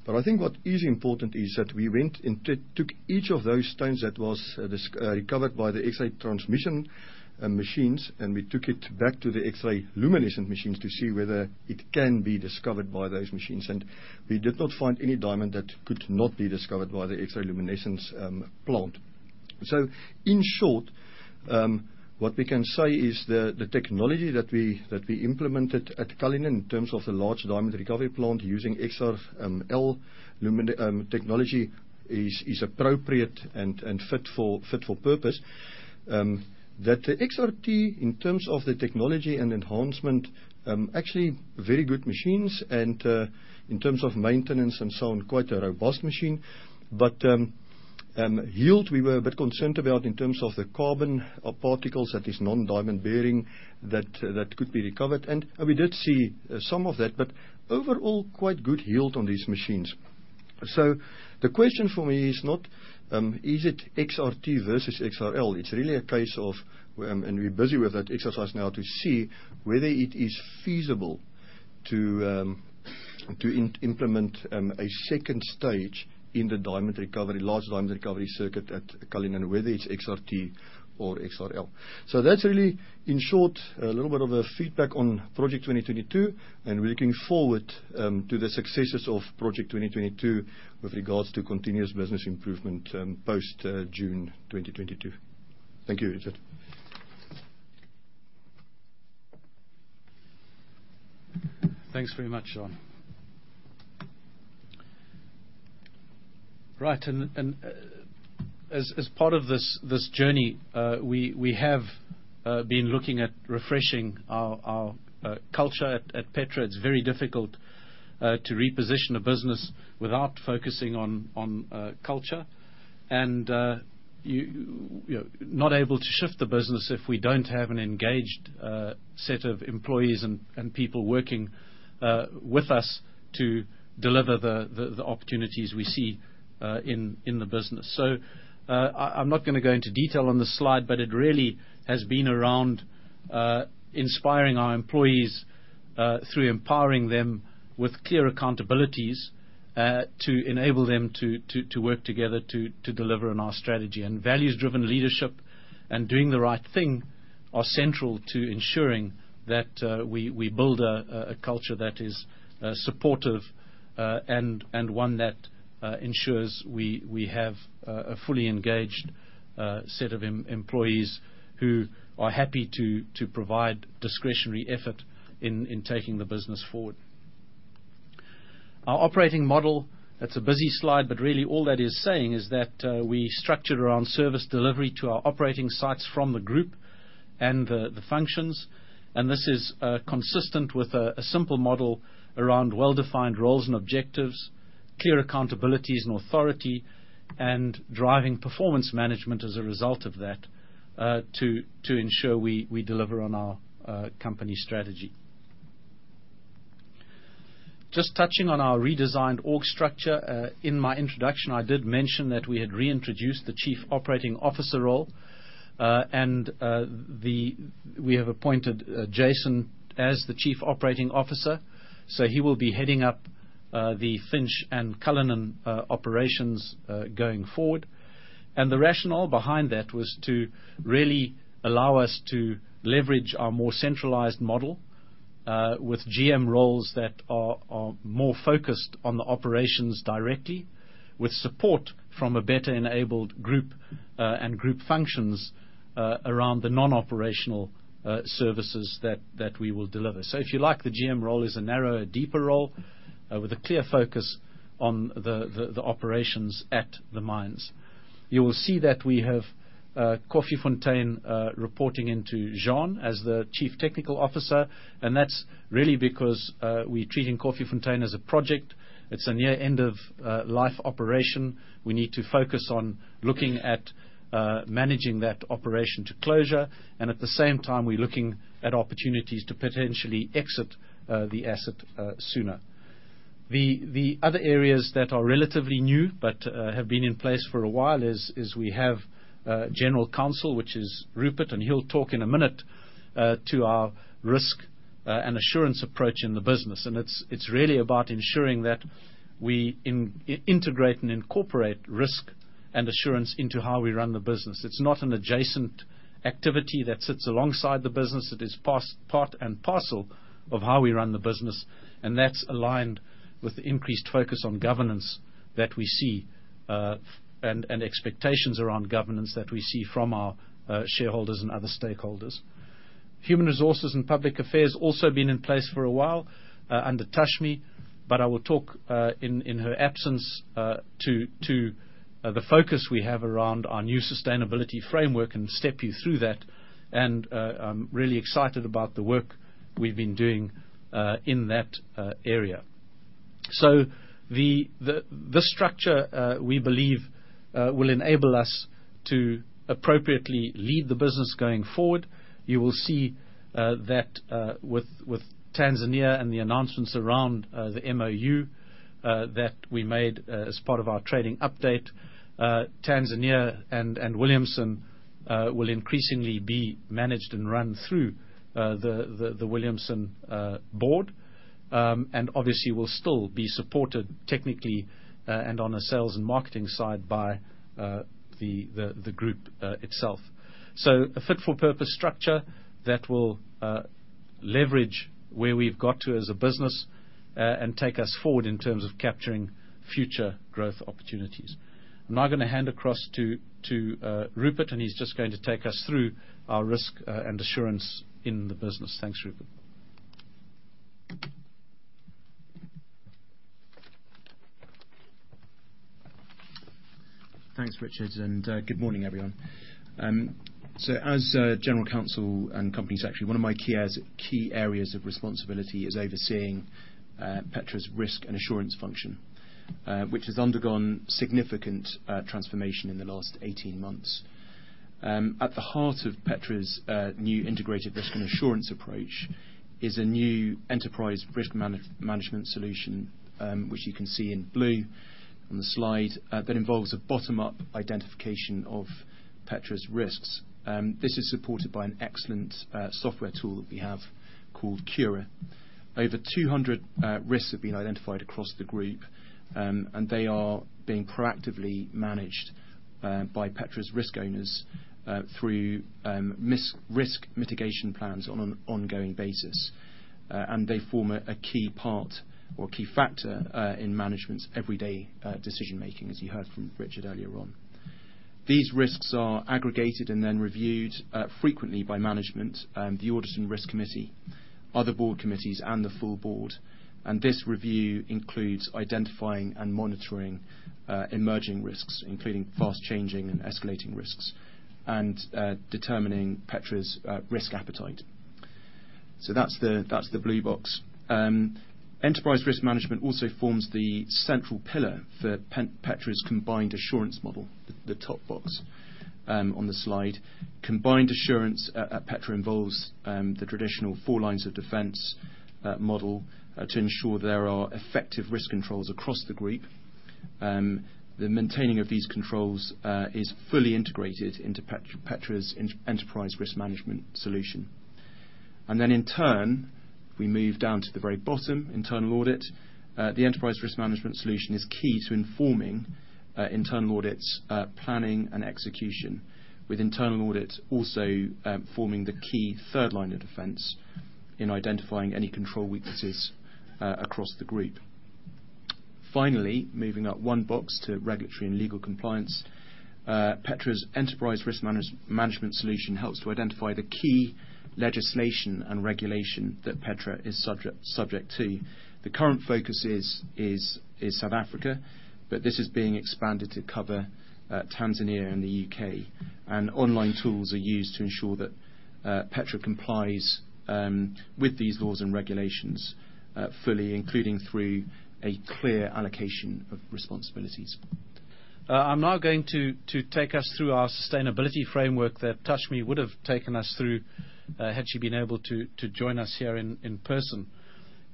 I think what is important is that we went and took each of those stones that was recovered by the X-ray transmission machines, and we took it back to the X-ray luminescence machines to see whether it can be discovered by those machines. We did not find any diamond that could not be discovered by the X-ray luminescence plant. In short, what we can say is the technology that we implemented at Cullinan in terms of the large diamond recovery plant using XRL luminescence technology is appropriate and fit for purpose. That the XRT, in terms of the technology and enhancement, actually very good machines and in terms of maintenance and so on, quite a robust machine. Yield, we were a bit concerned about in terms of the carbon particles, that is non-diamond-bearing, that could be recovered. We did see some of that, but overall, quite good yield on these machines. The question for me is not is it XRT versus XRL. It's really a case of, we're busy with that exercise now to see whether it is feasible to implement a second stage in the diamond recovery, large diamond recovery circuit at Cullinan, whether it's XRT or XRL. That's really, in short, a little bit of a feedback on Project 2022, and we're looking forward to the successes of Project 2022 with regards to continuous business improvement, post June 2022. Thank you, Richard. Thanks very much, Juan. Right. As part of this journey, we have been looking at refreshing our culture at Petra. It's very difficult to reposition a business without focusing on culture. You're not able to shift the business if we don't have an engaged set of employees and people working with us to deliver the opportunities we see in the business. I'm not gonna go into detail on this slide, but it really has been around inspiring our employees through empowering them with clear accountabilities to enable them to work together to deliver on our strategy. Values-driven leadership and doing the right thing are central to ensuring that we build a culture that is supportive and one that ensures we have a fully engaged set of employees who are happy to provide discretionary effort in taking the business forward. Our operating model, that's a busy slide, but really all that is saying is that we are structured around service delivery to our operating sites from the group and the functions. This is consistent with a simple model around well-defined roles and objectives, clear accountabilities and authority, and driving performance management as a result of that to ensure we deliver on our company strategy. Just touching on our redesigned org structure. In my introduction, I did mention that we had reintroduced the Chief Operating Officer role. We have appointed Jason as the Chief Operating Officer, so he will be heading up the Finsch and Cullinan operations going forward. The rationale behind that was to really allow us to leverage our more centralized model with GM roles that are more focused on the operations directly, with support from a better-enabled group and group functions around the non-operational services that we will deliver. If you like, the GM role is a narrower, deeper role with a clear focus on the operations at the mines. You will see that we have Koffiefontein reporting into Juan as the Chief Technical Officer, and that's really because we're treating Koffiefontein as a project. It's a near-end-of-life operation. We need to focus on looking at managing that operation to closure, and at the same time, we're looking at opportunities to potentially exit the asset sooner. The other areas that are relatively new but have been in place for a while is we have General Counsel, which is Rupert, and he'll talk in a minute to our risk and assurance approach in the business. It's really about ensuring that we integrate and incorporate risk and assurance into how we run the business. It's not an adjacent activity that sits alongside the business. It is part and parcel of how we run the business, and that's aligned with increased focus on governance that we see and expectations around governance that we see from our shareholders and other stakeholders. Human resources and public affairs also been in place for a while under Tashmi, but I will talk in her absence to the focus we have around our new sustainability framework and step you through that. I'm really excited about the work we've been doing in that area. The structure we believe will enable us to appropriately lead the business going forward. You will see that with Tanzania and the announcements around the MoU that we made as part of our trading update. Tanzania and Williamson will increasingly be managed and run through the Williamson board. Obviously, it will still be supported technically and on the sales and marketing side by the group itself. A fit for purpose structure that will leverage where we've got to as a business and take us forward in terms of capturing future growth opportunities. I'm now gonna hand across to Rupert, and he's just going to take us through our risk and assurance in the business. Thanks, Rupert. Thanks, Richard, and good morning, everyone. As General Counsel and Company Secretary, one of my key areas of responsibility is overseeing Petra's risk and assurance function, which has undergone significant transformation in the last 18 months. At the heart of Petra's new integrated risk and assurance approach is a new enterprise risk management solution, which you can see in blue on the slide, that involves a bottom-up identification of Petra's risks. This is supported by an excellent software tool that we have called Cura. Over 200 risks have been identified across the group, and they are being proactively managed by Petra's risk owners through risk mitigation plans on an ongoing basis. They form a key part or key factor in management's everyday decision-making, as you heard from Richard earlier on. These risks are aggregated and then reviewed frequently by management, the Audit and Risk Committee, other Board committees, and the full Board. This review includes identifying and monitoring emerging risks, including fast-changing and escalating risks, and determining Petra's risk appetite. That's the blue box. Enterprise risk management also forms the central pillar for Petra's combined assurance model, the top box on the slide. Combined assurance at Petra involves the traditional four lines of defense model to ensure there are effective risk controls across the group. The maintaining of these controls is fully integrated into Petra's enterprise risk management solution. Then in turn, we move down to the very bottom, internal audit. The enterprise risk management solution is key to informing internal audits planning and execution, with internal audits also forming the key third line of defense in identifying any control weaknesses across the group. Finally, moving up one box to regulatory and legal compliance. Petra's enterprise risk management solution helps to identify the key legislation and regulation that Petra is subject to. The current focus is South Africa, but this is being expanded to cover Tanzania and the U.K. Online tools are used to ensure that Petra complies with these laws and regulations fully, including through a clear allocation of responsibilities. I'm now going to take us through our sustainability framework that Tashmi would have taken us through, had she been able to join us here in person.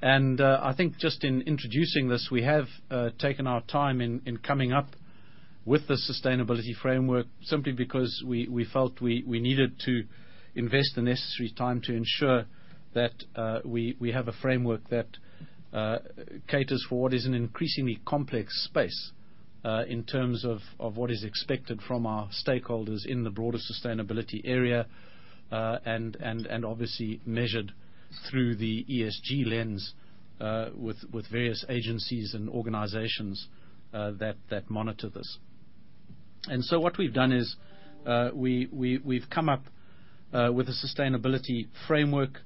I think just in introducing this, we have taken our time in coming up with the sustainability framework simply because we felt we needed to invest the necessary time to ensure that we have a framework that caters for what is an increasingly complex space in terms of what is expected from our stakeholders in the broader sustainability area. Obviously measured through the ESG lens, with various agencies and organizations that monitor this. What we've done is we've come up with a sustainability framework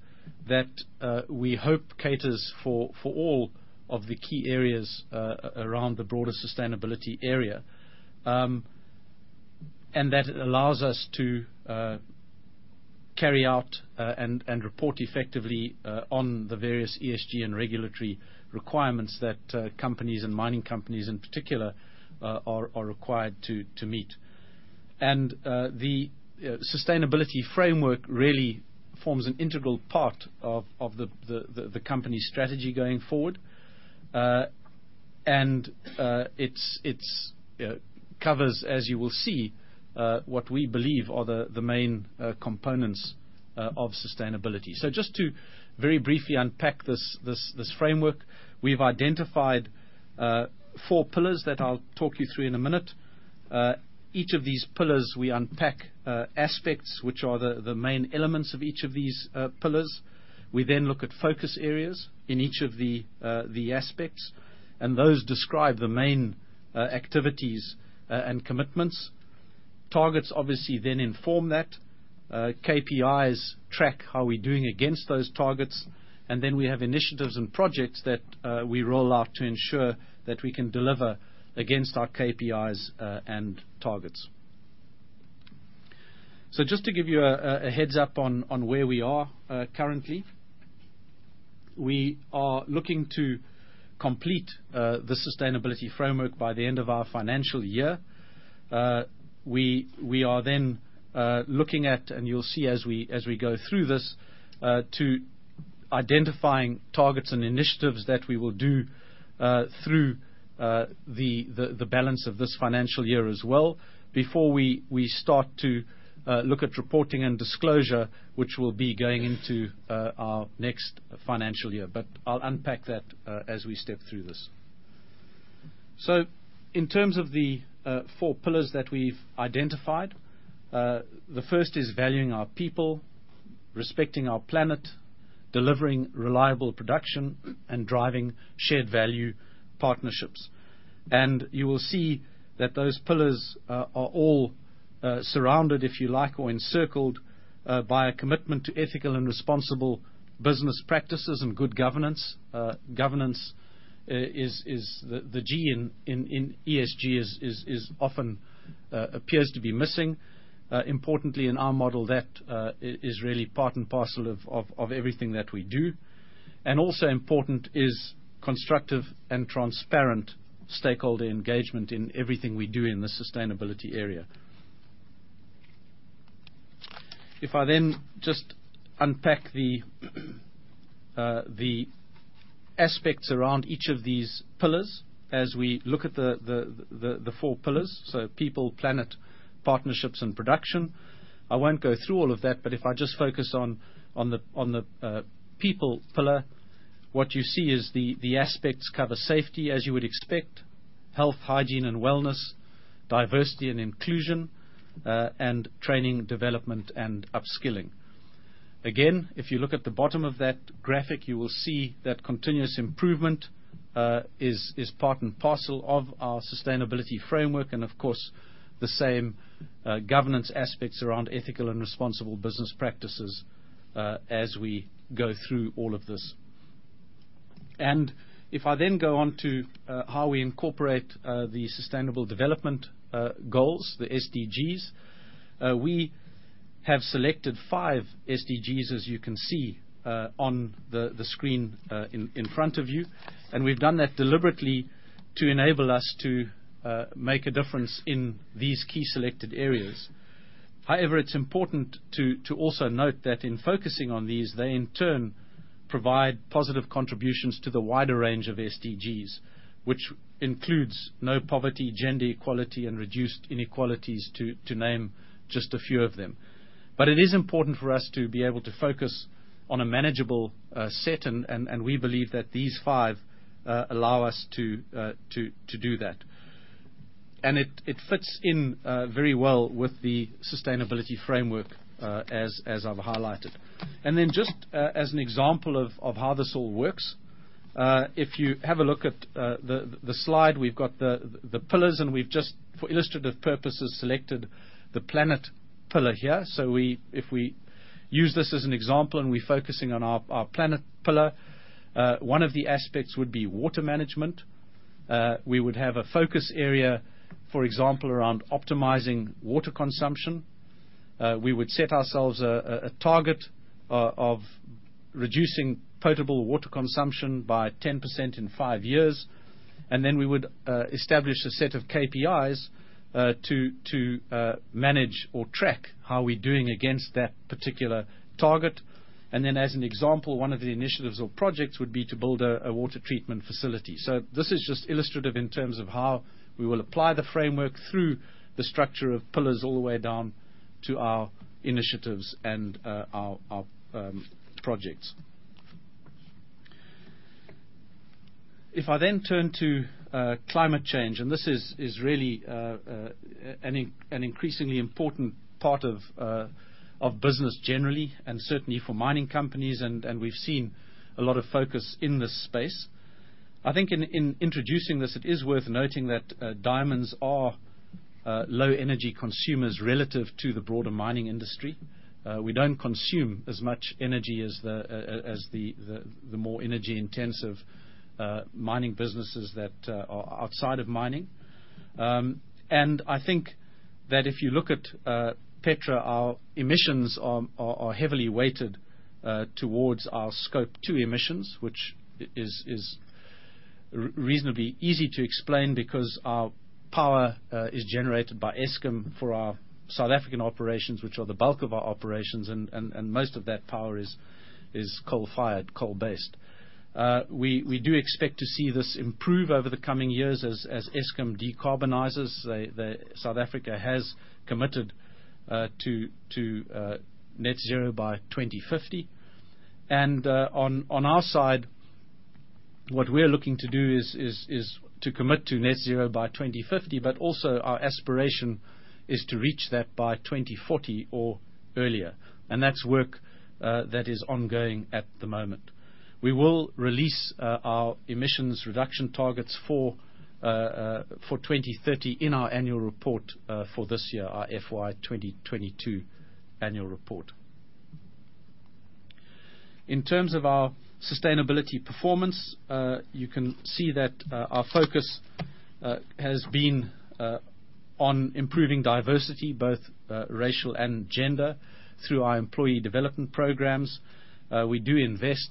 that we hope caters for all of the key areas around the broader sustainability area. That allows us to carry out and report effectively on the various ESG and regulatory requirements that companies and mining companies in particular are required to meet. The sustainability framework really forms an integral part of the company's strategy going forward. It covers, as you will see, what we believe are the main components of sustainability. Just to very briefly unpack this framework, we've identified four pillars that I'll talk you through in a minute. Each of these pillars, we unpack aspects which are the main elements of each of these pillars. We then look at focus areas in each of the aspects, and those describe the main activities and commitments. Targets obviously then inform that. KPIs track how we're doing against those targets. We have initiatives and projects that we roll out to ensure that we can deliver against our KPIs and targets. Just to give you a heads-up on where we are currently. We are looking to complete the sustainability framework by the end of our financial year. We are then looking at, and you'll see as we go through this, to identifying targets and initiatives that we will do through the balance of this financial year as well, before we start to look at reporting and disclosure, which will be going into our next financial year. I'll unpack that, as we step through this. In terms of the four pillars that we've identified, the first is valuing our people, respecting our planet, delivering reliable production, and driving shared value partnerships. You will see that those pillars are all surrounded, if you like, or encircled, by a commitment to ethical and responsible business practices and good governance. Governance is the G in ESG is often, appears to be missing. Importantly in our model that is really part and parcel of everything that we do. Also important is constructive and transparent stakeholder engagement in everything we do in the sustainability area. If I then just unpack the aspects around each of these pillars as we look at the four pillars, so people, planet, partnerships, and production. I won't go through all of that, but if I just focus on the people pillar, what you see is the aspects cover safety as you would expect, health, hygiene and wellness, diversity and inclusion, and training, development and upskilling. Again, if you look at the bottom of that graphic, you will see that continuous improvement is part and parcel of our sustainability framework, and of course, the same governance aspects around ethical and responsible business practices as we go through all of this. If I then go on to how we incorporate the Sustainable Development Goals, the SDGs. We have selected five SDGs, as you can see on the screen in front of you, and we've done that deliberately to enable us to make a difference in these key selected areas. However, it's important to also note that in focusing on these, they in turn provide positive contributions to the wider range of SDGs, which includes No Poverty, Gender Equality, and Reduced Inequalities, to name just a few of them. It is important for us to be able to focus on a manageable set and we believe that these five allow us to do that. It fits in very well with the sustainability framework as I've highlighted. Just as an example of how this all works, if you have a look at the slide, we've got the pillars, and we've just for illustrative purposes selected the planet pillar here. If we use this as an example and we're focusing on our planet pillar, one of the aspects would be water management. We would have a focus area, for example, around optimizing water consumption. We would set ourselves a target of reducing potable water consumption by 10% in five years. We would establish a set of KPIs to manage or track how we're doing against that particular target. As an example, one of the initiatives or projects would be to build a water treatment facility. This is just illustrative in terms of how we will apply the framework through the structure of pillars all the way down to our initiatives and our projects. If I then turn to climate change, and this is really an increasingly important part of business generally, and certainly for mining companies, and we've seen a lot of focus in this space. I think in introducing this, it is worth noting that diamonds are low energy consumers relative to the broader mining industry. We don't consume as much energy as the more energy-intensive mining businesses that are outside of mining. I think that if you look at Petra, our emissions are heavily weighted towards our Scope 2 emissions, which is reasonably easy to explain because our power is generated by Eskom for our South African operations, which are the bulk of our operations. Most of that power is coal-fired, coal-based. We do expect to see this improve over the coming years as Eskom decarbonizes. South Africa has committed to net zero by 2050. On our side, what we're looking to do is to commit to net zero by 2050, but also our aspiration is to reach that by 2040 or earlier. That's work that is ongoing at the moment. We will release our emissions reduction targets for 2030 in our annual report for this year, our FY 2022 annual report. In terms of our sustainability performance, you can see that our focus has been on improving diversity, both racial and gender, through our employee development programs. We do invest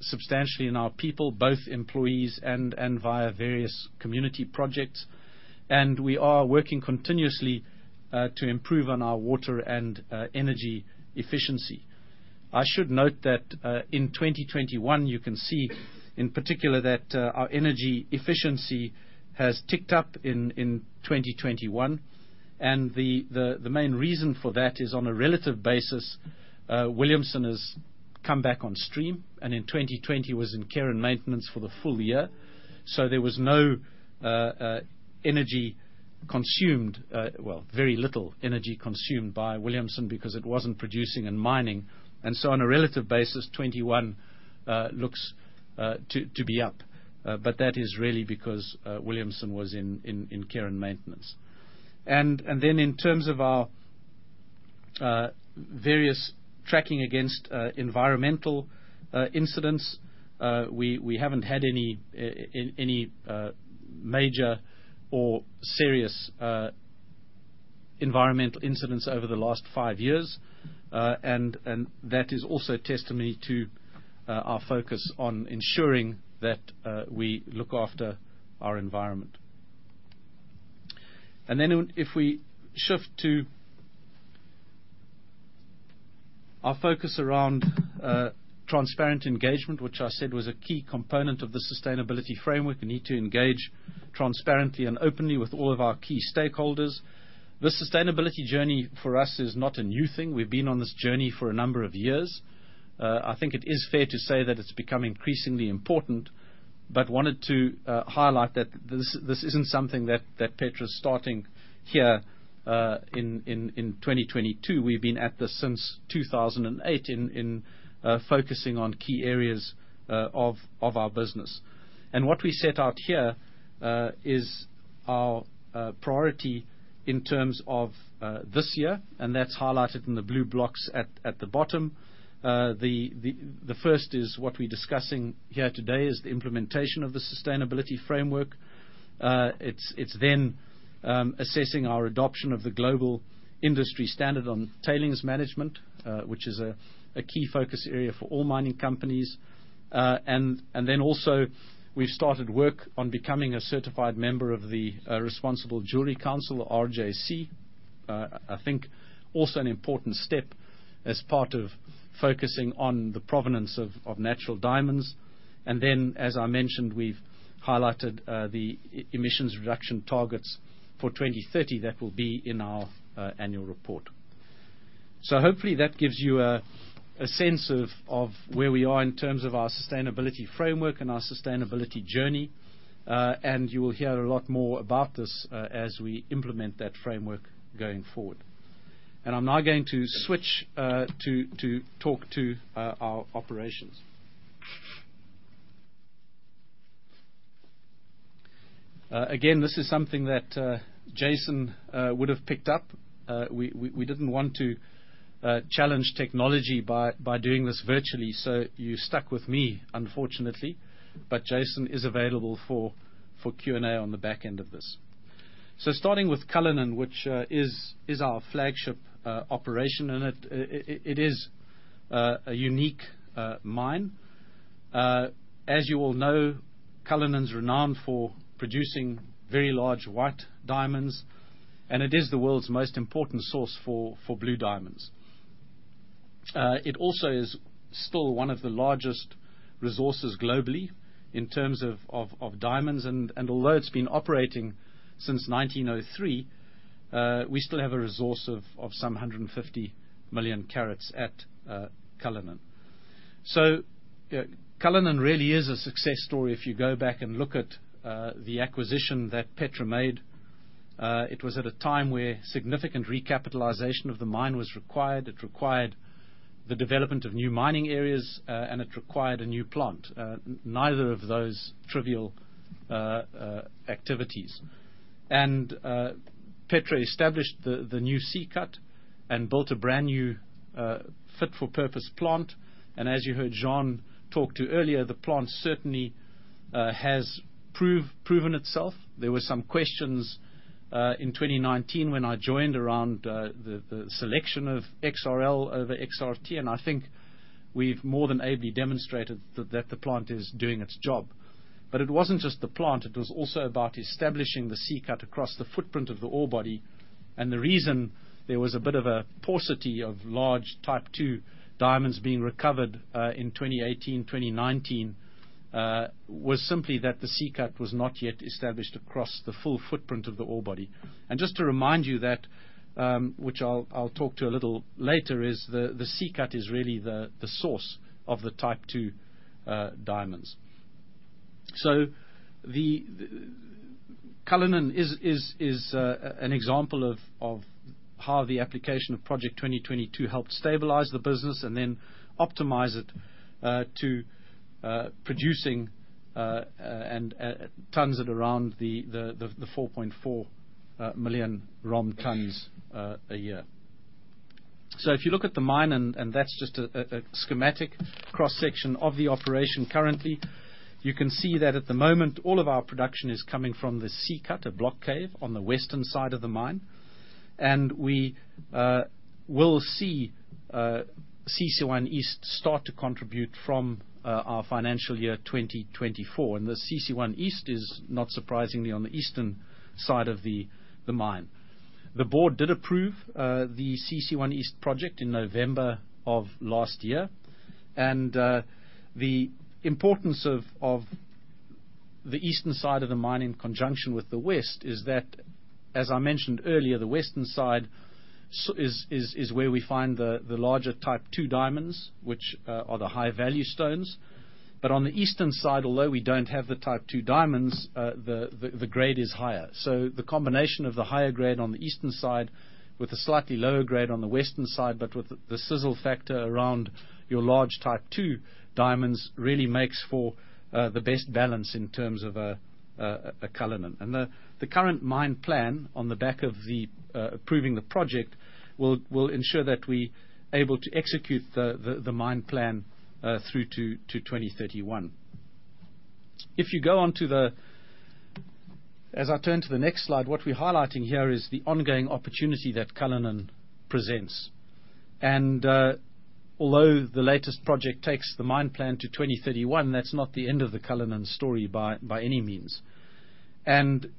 substantially in our people, both employees and via various community projects. We are working continuously to improve on our water and energy efficiency. I should note that, in 2021, you can see in particular that, our energy efficiency has ticked up in 2021. The main reason for that is on a relative basis, Williamson has come back on stream, and in 2020 was in care and maintenance for the full year. There was no energy consumed, well, very little energy consumed by Williamson because it wasn't producing and mining. On a relative basis, 2021 looks to be up. But that is really because, Williamson was in care and maintenance. Then in terms of our various tracking against environmental incidents, we haven't had any major or serious environmental incidents over the last five years. That is also testimony to our focus on ensuring that we look after our environment. If we shift to our focus around transparent engagement, which I said was a key component of the sustainability framework. We need to engage transparently and openly with all of our key stakeholders. This sustainability journey for us is not a new thing. We've been on this journey for a number of years. I think it is fair to say that it's become increasingly important but wanted to highlight that this isn't something that Petra's starting here in 2022. We've been at this since 2008 in focusing on key areas of our business. What we set out here is our priority in terms of this year, and that's highlighted in the blue blocks at the bottom. The first is what we're discussing here today, the implementation of the sustainability framework. It's then assessing our adoption of the Global Industry Standard on Tailings Management, which is a key focus area for all mining companies. Then also we've started work on becoming a certified member of the Responsible Jewellery Council, RJC. I think also an important step as part of focusing on the provenance of natural diamonds. As I mentioned, we've highlighted the emissions reduction targets for 2030 that will be in our annual report. Hopefully that gives you a sense of where we are in terms of our sustainability framework and our sustainability journey. You will hear a lot more about this as we implement that framework going forward. I'm now going to switch to talk to our operations. Again, this is something that Jason would have picked up. We didn't want to challenge technology by doing this virtually, so you're stuck with me, unfortunately. Jason is available for Q&A on the back end of this. Starting with Cullinan, which is our flagship operation. It is a unique mine. As you all know, Cullinan's renowned for producing very large white diamonds, and it is the world's most important source for blue diamonds. It also is still one of the largest resources globally in terms of diamonds. Although it's been operating since 1903, we still have a resource of some 150 million carats at Cullinan. Cullinan really is a success story if you go back and look at the acquisition that Petra made. It was at a time where significant recapitalization of the mine was required. It required the development of new mining areas, and it required a new plant. Neither of those trivial activities. Petra established the new C-Cut and built a brand-new fit-for-purpose plant. As you heard Juan talk to earlier, the plant certainly has proven itself. There were some questions in 2019 when I joined around the selection of XRL over XRT, and I think we've more than ably demonstrated that the plant is doing its job. But it wasn't just the plant, it was also about establishing the C-Cut across the footprint of the ore body. The reason there was a bit of a paucity of large Type II diamonds being recovered in 2018, 2019 was simply that the C-Cut was not yet established across the full footprint of the ore body. Just to remind you that, which I'll talk to a little later, the C-Cut is really the source of the Type II diamonds. The Cullinan is an example of how the application of Project 2022 helped stabilize the business and then optimize it to producing 4.4 million raw tonnes a year. If you look at the mine, and that's just a schematic cross-section of the operation currently, you can see that at the moment, all of our production is coming from the C-Cut, a block cave on the western side of the mine. We will see CC1 East start to contribute from our financial year 2024. The CC1 East is not surprisingly on the eastern side of the mine. The board did approve the CC1 East project in November of last year. The importance of the eastern side of the mine in conjunction with the west is that, as I mentioned earlier, the western side is where we find the larger Type II diamonds, which are the high-value stones. But on the eastern side, although we don't have the Type II diamonds, the grade is higher. The combination of the higher grade on the eastern side with a slightly lower grade on the western side, but with the sizzle factor around your large Type II diamonds, really makes for the best balance in terms of a Cullinan. The current mine plan on the back of approving the project will ensure that we are able to execute the mine plan through to 2031. As I turn to the next slide, what we're highlighting here is the ongoing opportunity that Cullinan presents. Although the latest project takes the mine plan to 2031, that's not the end of the Cullinan story by any means.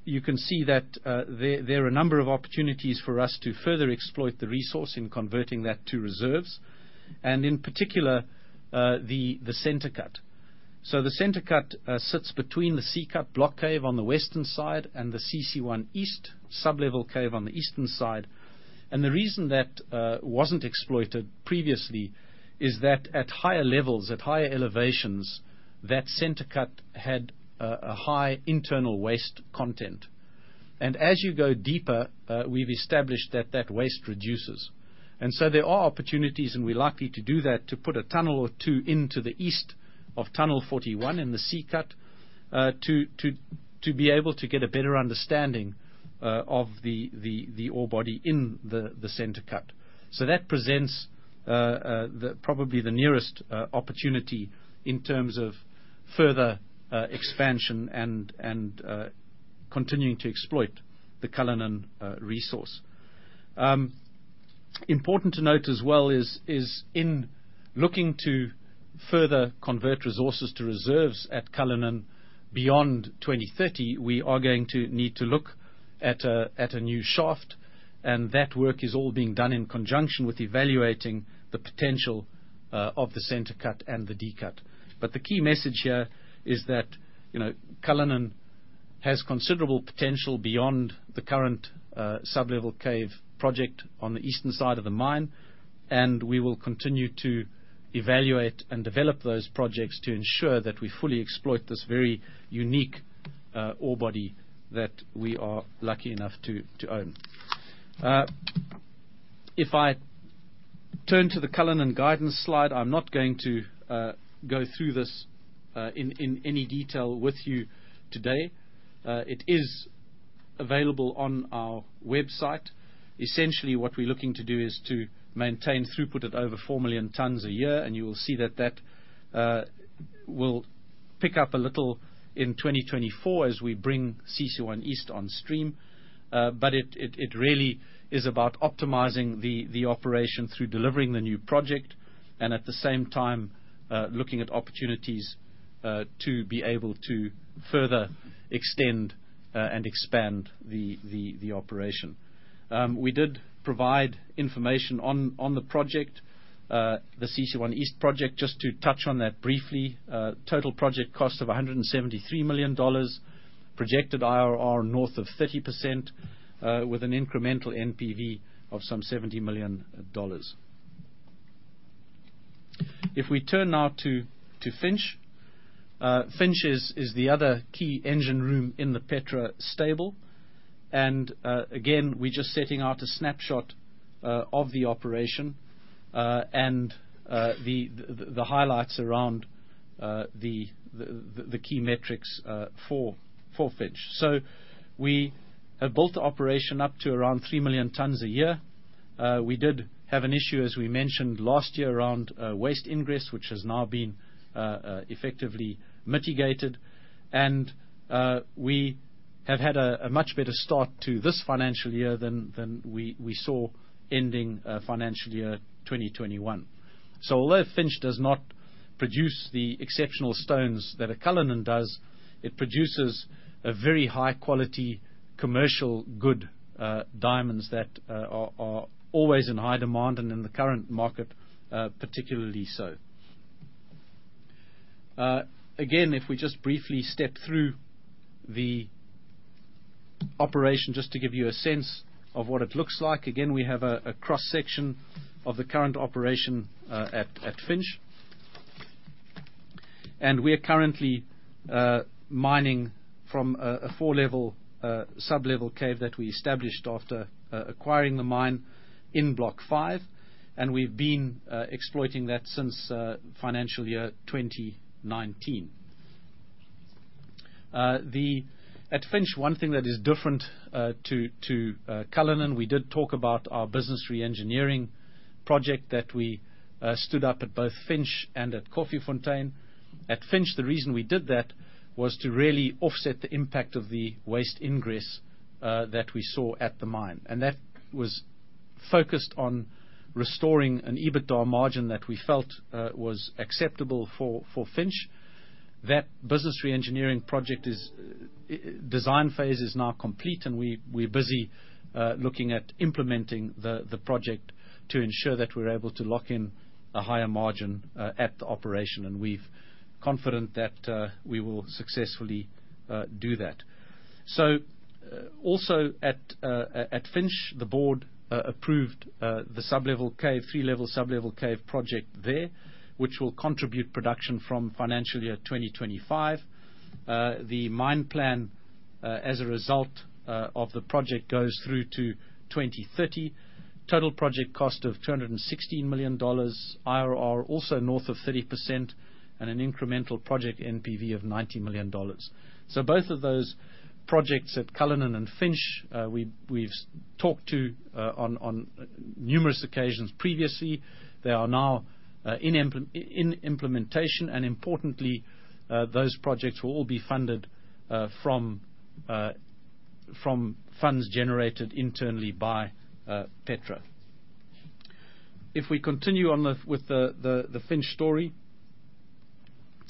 You can see that there are a number of opportunities for us to further exploit the resource in converting that to reserves, and in particular, the Centre Cut. The Centre Cut sits between the C-Cut block cave on the western side and the CC1 East sublevel cave on the eastern side. The reason that wasn't exploited previously is that at higher levels, at higher elevations, that Centre Cut had a high internal waste content. As you go deeper, we've established that that waste reduces. There are opportunities, and we're likely to do that, to put a tunnel or two into the east of Tunnel 41 in the C-Cut, to be able to get a better understanding of the ore body in the Centre Cut. That presents probably the nearest opportunity in terms of further expansion and continuing to exploit the Cullinan resource. Important to note as well is in looking to further convert resources to reserves at Cullinan beyond 2030, we are going to need to look at a new shaft, and that work is all being done in conjunction with evaluating the potential of the Centre Cut and the D-Cut. The key message here is that, you know, Cullinan has considerable potential beyond the current sublevel cave project on the eastern side of the mine, and we will continue to evaluate and develop those projects to ensure that we fully exploit this very unique ore body that we are lucky enough to own. If I turn to the Cullinan guidance slide, I'm not going to go through this in any detail with you today. It is available on our website. Essentially, what we're looking to do is to maintain throughput at over 4 million tonnes a year, and you will see that will pick up a little in 2024 as we bring CC1 East on stream. It really is about optimizing the operation through delivering the new project, and at the same time, looking at opportunities to be able to further extend and expand the operation. We did provide information on the project, the CC1 East project, just to touch on that briefly. Total project cost of $173 million, projected IRR north of 30%, with an incremental NPV of some $70 million. If we turn now to Finsch. Finsch is the other key engine room in the Petra stable. Again, we're just setting out a snapshot of the operation and the highlights around the key metrics for Finsch. We have built the operation up to around 3 million tonnes a year. We did have an issue, as we mentioned last year, around waste ingress, which has now been effectively mitigated. We have had a much better start to this financial year than we saw ending financial year 2021. Although Finsch does not produce the exceptional stones that a Cullinan does, it produces a very high-quality commercial good diamonds that are always in high demand and in the current market, particularly so. Again, if we just briefly step through the operation, just to give you a sense of what it looks like. Again, we have a cross-section of the current operation at Finsch. We are currently mining from a four-level sublevel cave that we established after acquiring the mine in Block 5, and we've been exploiting that since financial year 2019. At Finsch, one thing that is different to Cullinan. We did talk about our business re-engineering project that we stood up at both Finsch and at Koffiefontein. At Finsch, the reason we did that was to really offset the impact of the waste ingress that we saw at the mine. That was focused on restoring an EBITDA margin that we felt was acceptable for Finsch. That business re-engineering project is, design phase is now complete, and we're busy looking at implementing the project to ensure that we're able to lock in a higher margin at the operation. We're confident that we will successfully do that. Also, at Finsch, the board approved the three-level sublevel cave project there, which will contribute production from financial year 2025. The mine plan as a result of the project goes through to 2030. Total project cost of $216 million, IRR also north of 30%, and an incremental project NPV of $90 million. Both of those projects at Cullinan and Finsch, we've talked about on numerous occasions previously. They are now in implementation, and importantly, those projects will all be funded from funds generated internally by Petra. If we continue with the Finsch story,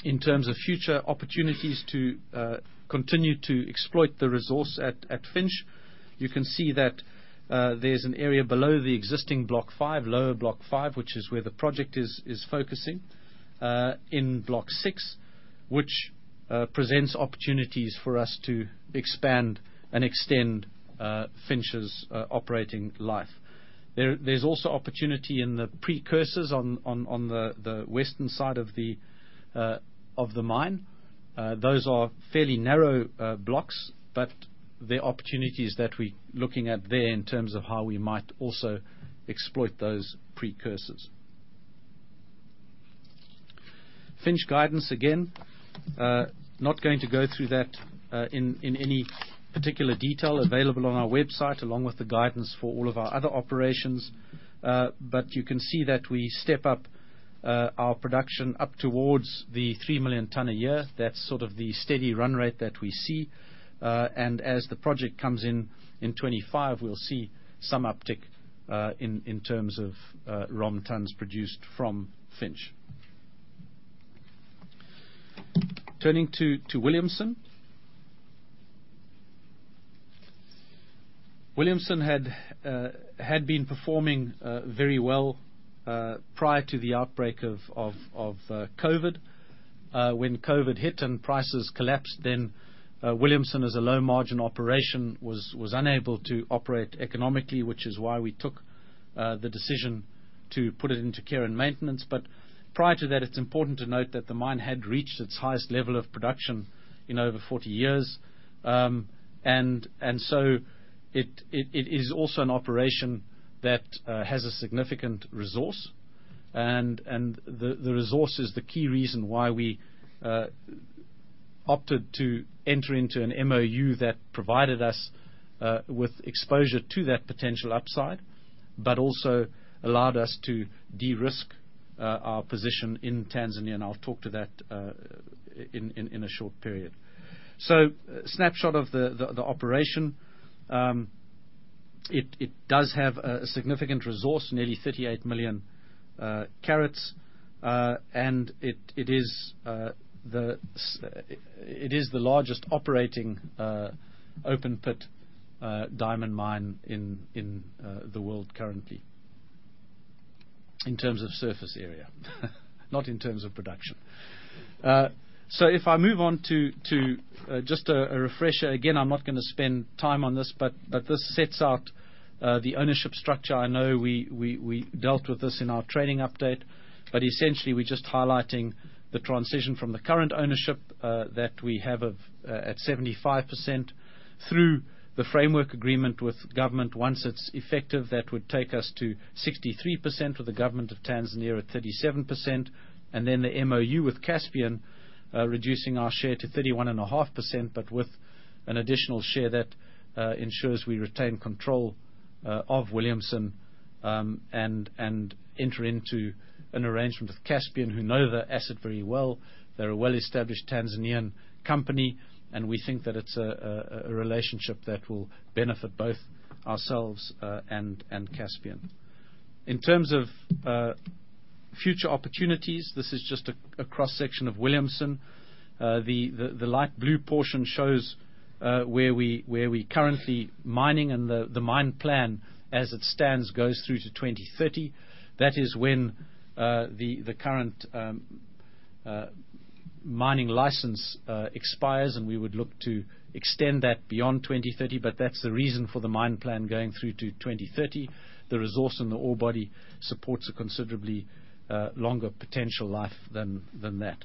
in terms of future opportunities to continue to exploit the resource at Finsch, you can see that there's an area below the existing Block 5, lower Block 5, which is where the project is focusing in Block 6, which presents opportunities for us to expand and extend Finsch's operating life. There's also opportunity in the precursors on the western side of the mine. Those are fairly narrow blocks, but there are opportunities that we're looking at there in terms of how we might also exploit those precursors. Finsch guidance, again, not going to go through that in any particular detail available on our website, along with the guidance for all of our other operations. You can see that we step up our production up towards the 3 million tonnes a year. That's sort of the steady run rate that we see. As the project comes in in 2025, we'll see some uptick in terms of ROM tonnes produced from Finsch. Turning to Williamson. Williamson had been performing very well prior to the outbreak of COVID. When COVID hit and prices collapsed, then Williamson, as a low-margin operation, was unable to operate economically, which is why we took the decision to put it into care and maintenance. Prior to that, it's important to note that the mine had reached its highest level of production in over 40 years. It is also an operation that has a significant resource, and the resource is the key reason why we opted to enter into an MoU that provided us with exposure to that potential upside but also allowed us to de-risk our position in Tanzania, and I'll talk to that in a short period. Snapshot of the operation. It does have a significant resource, nearly 38 million carats. It is the largest operating open pit diamond mine in the world currently, in terms of surface area, not in terms of production. If I move on to just a refresher, again, I'm not gonna spend time on this, but this sets out the ownership structure. I know we dealt with this in our trading update, but essentially, we're just highlighting the transition from the current ownership that we have at 75% through the framework agreement with government. Once it's effective, that would take us to 63%, with the government of Tanzania at 37%, and then the MoU with Caspian reducing our share to 31.5%, but with an additional share that ensures we retain control of Williamson and enter into an arrangement with Caspian, who know the asset very well. They're a well-established Tanzanian company, and we think that it's a relationship that will benefit both ourselves and Caspian. In terms of future opportunities, this is just a cross-section of Williamson. The light blue portion shows where we're currently mining, and the mine plan, as it stands, goes through to 2030. That is when the current mining license expires, and we would look to extend that beyond 2030, but that's the reason for the mine plan going through to 2030. The resource and the ore body supports a considerably longer potential life than that.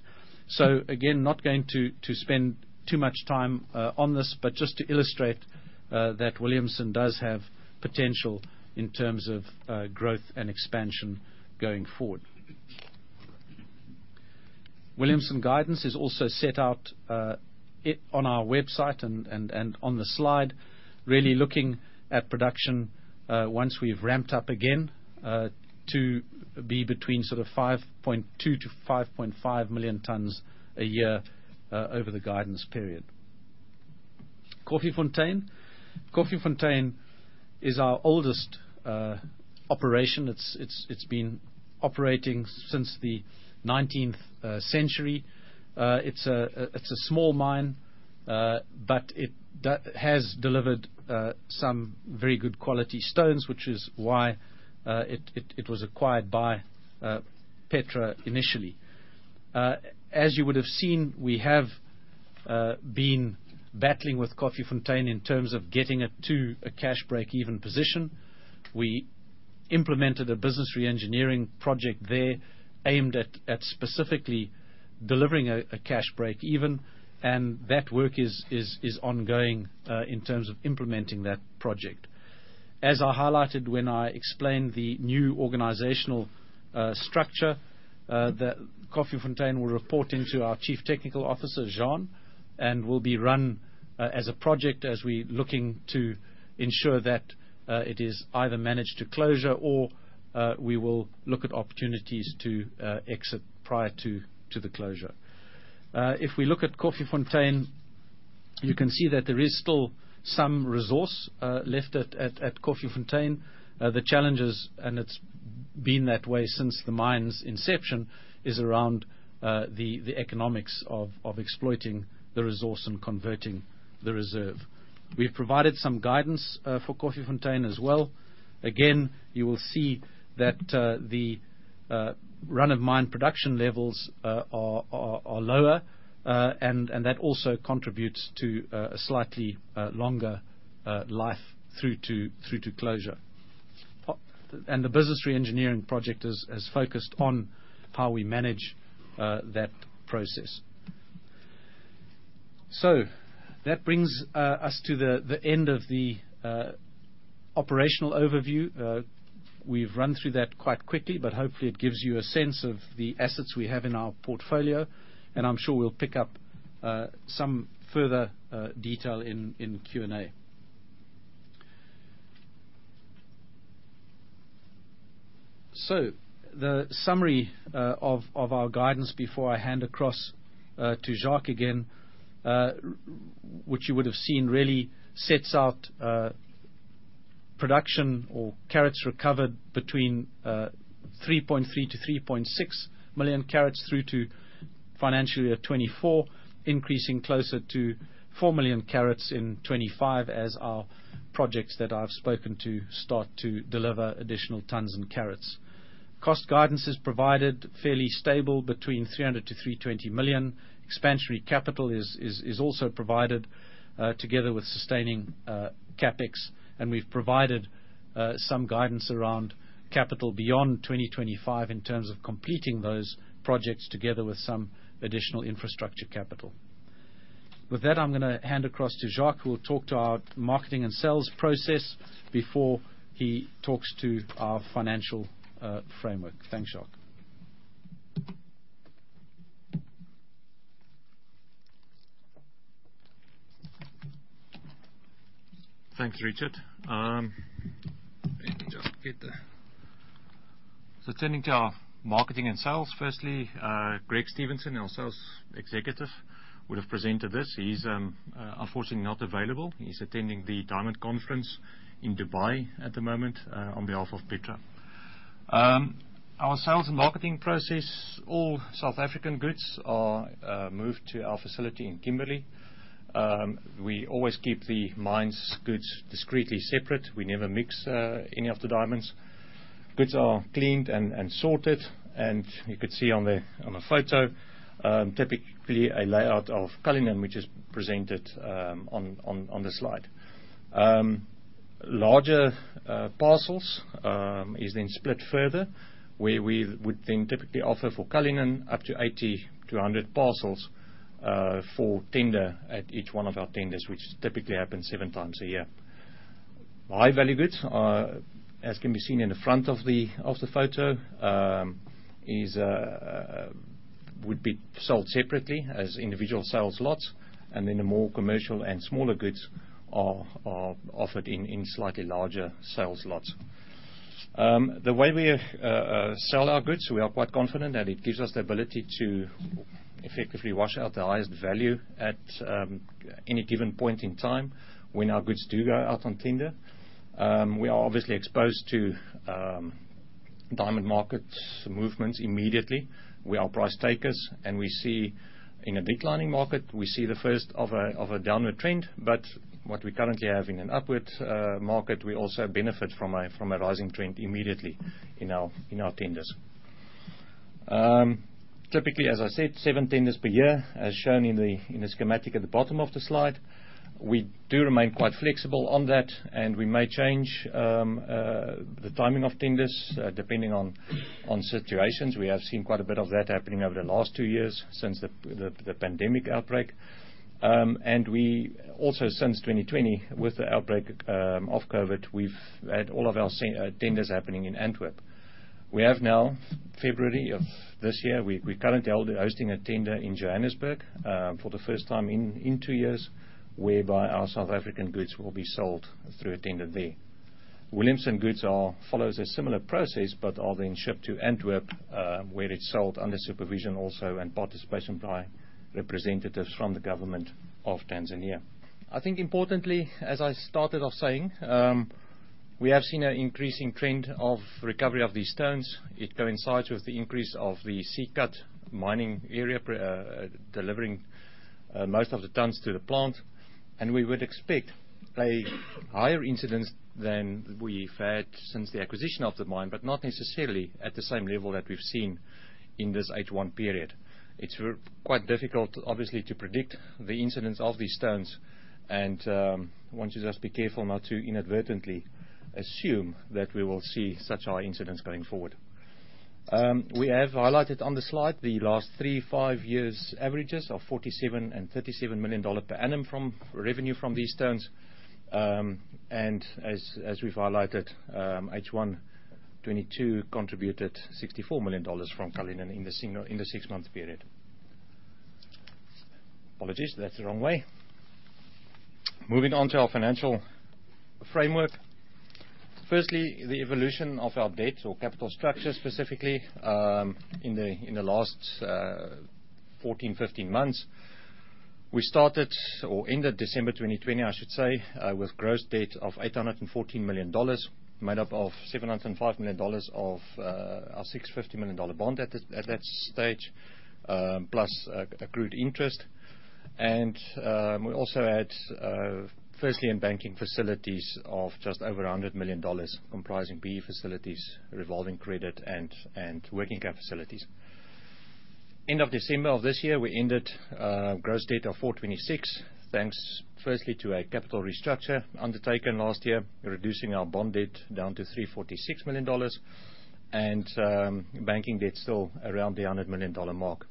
Again, not going to spend too much time on this, but just to illustrate that Williamson does have potential in terms of growth and expansion going forward. Williamson guidance is also set out on our website and on the slide, really looking at production once we've ramped up again to be between sort of 5.2-5.5 million tonnes a year over the guidance period. Koffiefontein. Koffiefontein is our oldest operation. It's been operating since the 19th century. It's a small mine, but it has delivered some very good quality stones, which is why it was acquired by Petra initially. As you would have seen, we have been battling with Koffiefontein in terms of getting it to a cash break-even position. We implemented a business reengineering project there aimed at specifically delivering a cash break even, and that work is ongoing in terms of implementing that project. As I highlighted when I explained the new organizational structure, that Koffiefontein will report into our Chief Technical Officer, Juan, and will be run as a project as we're looking to ensure that it is either managed to closure or we will look at opportunities to exit prior to the closure. If we look at Koffiefontein, you can see that there is still some resource left at Koffiefontein. The challenges, and it's been that way since the mine's inception, is around the economics of exploiting the resource and converting the reserve. We've provided some guidance for Koffiefontein as well. Again, you will see that the run-of-mine production levels are lower, and that also contributes to a slightly longer life through to closure. The business reengineering project has focused on how we manage that process. That brings us to the end of the operational overview. We've run through that quite quickly, but hopefully it gives you a sense of the assets we have in our portfolio, and I'm sure we'll pick up some further detail in Q&A. The summary of our guidance before I hand across to Jacques again, which you would have seen really sets out production or carats recovered between 3.3-3.6 million carats through to FY 2024, increasing closer to 4 million carats in 2025 as our projects that I've spoken to start to deliver additional tonnes and carats. Cost guidance is provided fairly stable between $300-$320 million. Expansionary capital is also provided together with sustaining CapEx, and we've provided some guidance around capital beyond 2025 in terms of completing those projects together with some additional infrastructure capital. With that, I'm gonna hand across to Jacques, who will talk to our marketing and sales process before he talks to our financial framework. Thanks, Jacques. Thanks, Richard. Turning to our marketing and sales. Firstly, Greg Stephenson, our sales executive, would have presented this. He's unfortunately not available. He's attending the Diamond Conference in Dubai at the moment, on behalf of Petra. Our sales and marketing process, all South African goods are moved to our facility in Kimberley. We always keep the mine's goods discreetly separate. We never mix any of the diamonds. Goods are cleaned and sorted, and you could see on the photo, typically a layout of Cullinan, which is presented on the slide. Larger parcels is then split further, where we would then typically offer for Cullinan up to 80-100 parcels for tender at each one of our tenders, which typically happens 7x a year. High-value goods are, as can be seen in the front of the photo, would be sold separately as individual sales lots, and then the more commercial and smaller goods are offered in slightly larger sales lots. The way we sell our goods, we are quite confident that it gives us the ability to effectively wash out the highest value at any given point in time when our goods do go out on tender. We are obviously exposed to diamond market movements immediately. We are price takers, and we see in a declining market the first of a downward trend, but what we currently have in an upward market, we also benefit from a rising trend immediately in our tenders. Typically, as I said, seven tenders per year, as shown in the schematic at the bottom of the slide. We do remain quite flexible on that, and we may change the timing of tenders depending on situations. We have seen quite a bit of that happening over the last two years since the pandemic outbreak. We also, since 2020, with the outbreak of COVID, we've had all of our tenders happening in Antwerp. We have now in February of this year we are currently hosting a tender in Johannesburg for the first time in two years whereby our South African goods will be sold through a tender there. Williamson goods follows a similar process but are then shipped to Antwerp where it's sold under supervision also in participation by representatives from the government of Tanzania. I think importantly as I started off saying we have seen an increasing trend of recovery of these stones. It coincides with the increase of the C-Cut mining area delivering most of the tonnes to the plant. We would expect a higher incidence than we've had since the acquisition of the mine but not necessarily at the same level that we've seen in this H1 period. It's quite difficult obviously to predict the incidence of these stones. Want to just be careful not to inadvertently assume that we will see such high incidence going forward. We have highlighted on the slide the last three and five-year averages of $47 million and $37 million per annum from revenue from these stones. As we've highlighted, H1 2022 contributed $64 million from Cullinan in the six-month period. Apologies, that's the wrong way. Moving on to our financial framework. Firstly, the evolution of our debt or capital structure, specifically, in the last 14-15 months. We started or ended December 2020, I should say, with gross debt of $814 million, made up of $705 million of our $650 million bond at that stage, plus accrued interest. We also had first lien banking facilities of just over $100 million, comprising BEE facilities, revolving credit, and working cap facilities. End of December of this year, we ended gross debt of $426 million, thanks, firstly, to a capital restructure undertaken last year, reducing our bond debt down to $346 million, and banking debt still around the $100 million mark.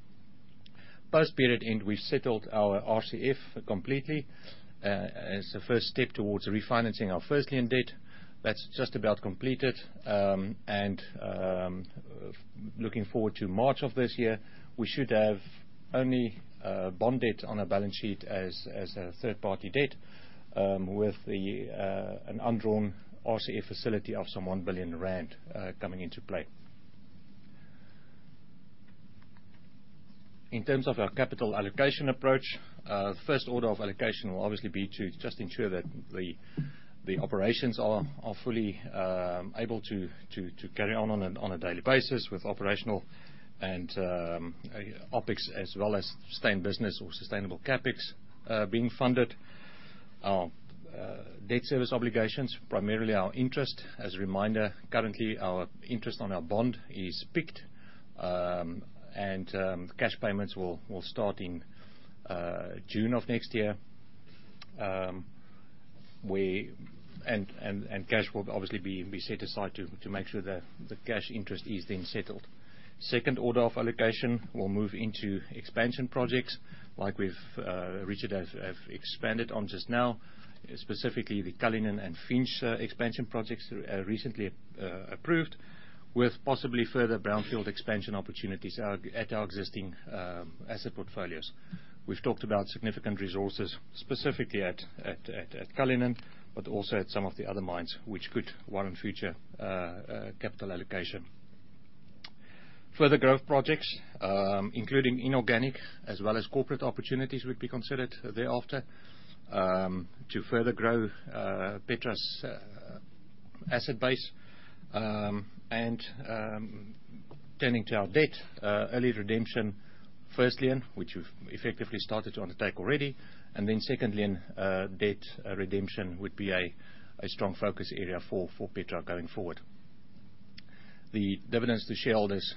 Post period end, we've settled our RCF completely, as a first step towards refinancing our first lien debt. That's just about completed. Looking forward to March of this year, we should have only bond debt on our balance sheet as third-party debt, with an undrawn RCF facility of some 1 billion rand coming into play. In terms of our capital allocation approach, the first order of allocation will obviously be to just ensure that the operations are fully able to carry on a daily basis with operational and OpEx as well as sustained business or sustainable CapEx being funded. Our debt service obligations, primarily our interest. As a reminder, currently our interest on our bond is PIKed, and cash payments will start in June of next year. Cash will obviously be set aside to make sure the cash interest is then settled. Second order of allocation will move into expansion projects like we've Richard has expanded on just now, specifically the Cullinan and Finsch expansion projects recently approved, with possibly further brownfield expansion opportunities at our existing asset portfolios. We've talked about significant resources, specifically at Cullinan, but also at some of the other mines which could warrant future capital allocation. Further growth projects including inorganic as well as corporate opportunities would be considered thereafter to further grow Petra's asset base. Turning to our debt early redemption, first lien, which we've effectively started to undertake already. Second lien debt redemption would be a strong focus area for Petra going forward. The dividends to shareholders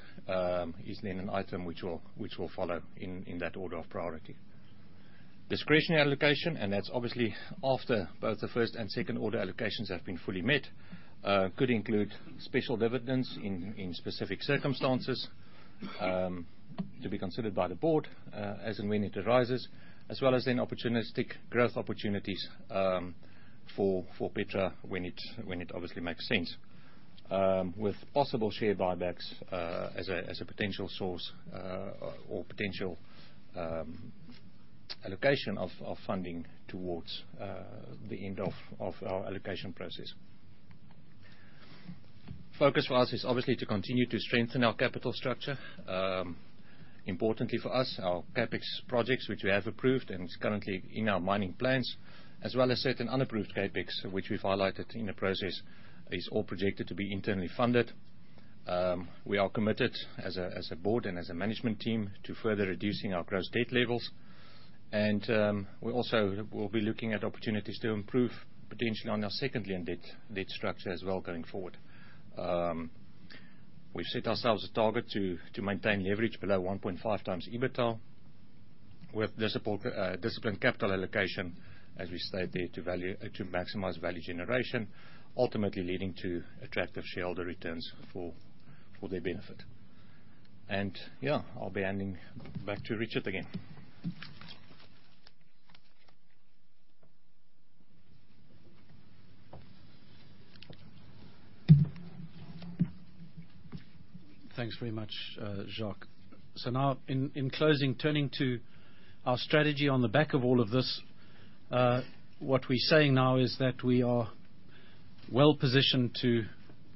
is then an item which will follow in that order of priority. Discretionary allocation, that's obviously after both the first and second order allocations have been fully met, could include special dividends in specific circumstances to be considered by the board as and when it arises, as well as any opportunistic growth opportunities for Petra when it obviously makes sense. With possible share buybacks as a potential source or potential allocation of funding towards the end of our allocation process. Focus for us is obviously to continue to strengthen our capital structure. Importantly for us, our CapEx projects, which we have approved and is currently in our mining plans, as well as certain unapproved CapEx, which we've highlighted in the process, is all projected to be internally funded. We are committed as a board and as a management team to further reducing our gross debt levels. We also will be looking at opportunities to improve potentially on our second lien debt structure as well going forward. We've set ourselves a target to maintain leverage below 1.5x EBITDA. With discipline capital allocation, as we stated to maximize value generation, ultimately leading to attractive shareholder returns for their benefit. Yeah, I'll be handing back to Richard again. Thanks very much, Jacques. Now in closing, turning to our strategy on the back of all of this, what we're saying now is that we are well-positioned to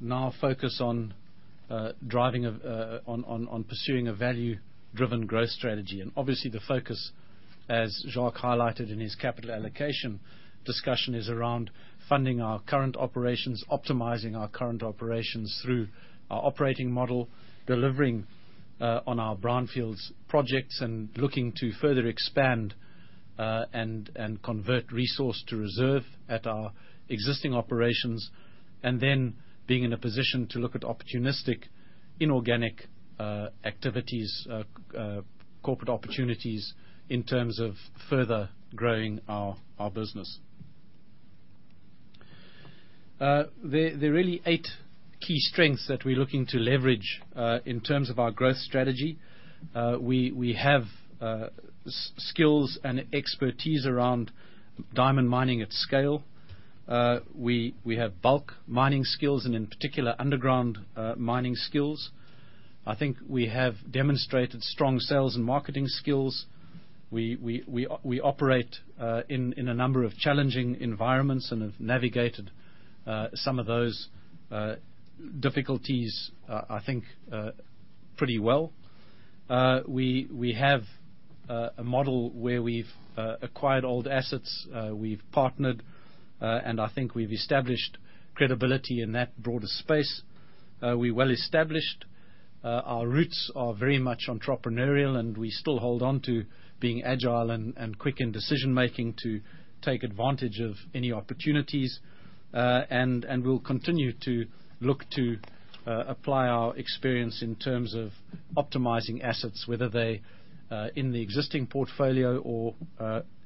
now focus on driving a on pursuing a value-driven growth strategy. Obviously the focus, as Jacques highlighted in his capital allocation discussion, is around funding our current operations, optimizing our current operations through our operating model, delivering on our brownfields projects, and looking to further expand and convert resource to reserve at our existing operations. Then being in a position to look at opportunistic inorganic activities, corporate opportunities in terms of further growing our business. There are really eight key strengths that we're looking to leverage in terms of our growth strategy. We have skills and expertise around diamond mining at scale. We have bulk mining skills and in particular underground mining skills. I think we have demonstrated strong sales and marketing skills. We operate in a number of challenging environments and have navigated some of those difficulties, I think, pretty well. We have a model where we've acquired old assets, we've partnered, and I think we've established credibility in that broader space. We're well established. Our roots are very much entrepreneurial, and we still hold on to being agile and quick in decision-making to take advantage of any opportunities. We'll continue to look to apply our experience in terms of optimizing assets, whether they're in the existing portfolio or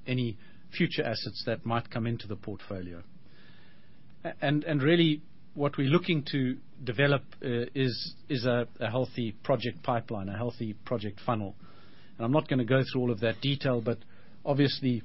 any future assets that might come into the portfolio. Really what we're looking to develop is a healthy project pipeline, a healthy project funnel. I'm not gonna go through all of that detail, but obviously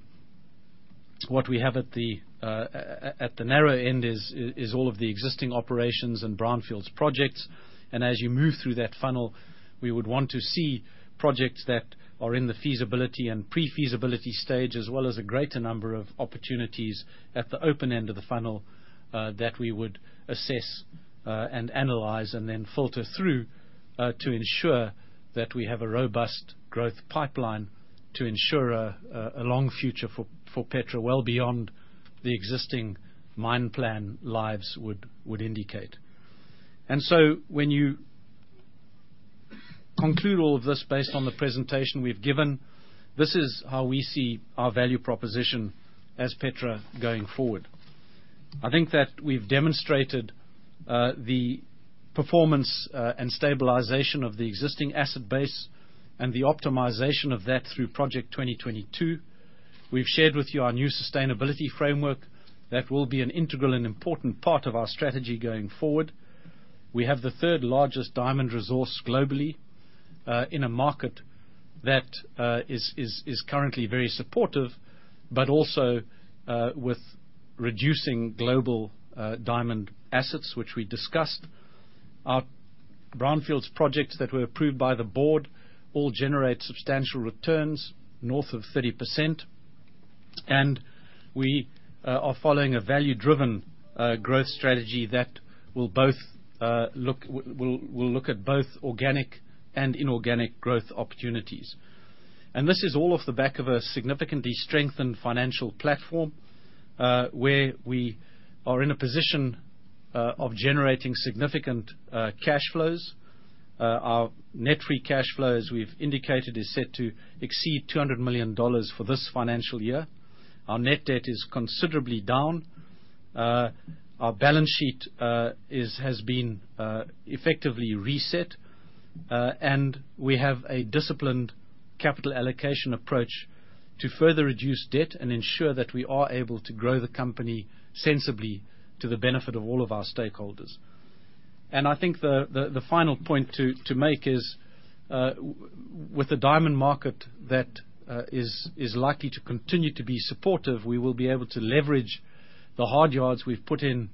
what we have at the narrow end is all of the existing operations and brownfields projects. As you move through that funnel, we would want to see projects that are in the feasibility and pre-feasibility stage, as well as a greater number of opportunities at the open end of the funnel, that we would assess, and analyze and then filter through, to ensure that we have a robust growth pipeline to ensure a long future for Petra well beyond the existing mine plan lives would indicate. When you conclude all of this based on the presentation we've given, this is how we see our value proposition as Petra going forward. I think that we've demonstrated the performance and stabilization of the existing asset base and the optimization of that through Project 2022. We've shared with you our new sustainability framework that will be an integral and important part of our strategy going forward. We have the third-largest diamond resource globally, in a market that is currently very supportive, but also with reducing global diamond assets, which we discussed. Our brownfields projects that were approved by the board all generate substantial returns north of 30%. We are following a value-driven growth strategy that will look at both organic and inorganic growth opportunities. This is all off the back of a significantly strengthened financial platform, where we are in a position of generating significant cash flows. Our net free cash flow, as we've indicated, is set to exceed $200 million for this financial year. Our net debt is considerably down. Our balance sheet has been effectively reset. We have a disciplined capital allocation approach to further reduce debt and ensure that we are able to grow the company sensibly to the benefit of all of our stakeholders. I think the final point to make is, with the diamond market that is likely to continue to be supportive, we will be able to leverage the hard yards we've put in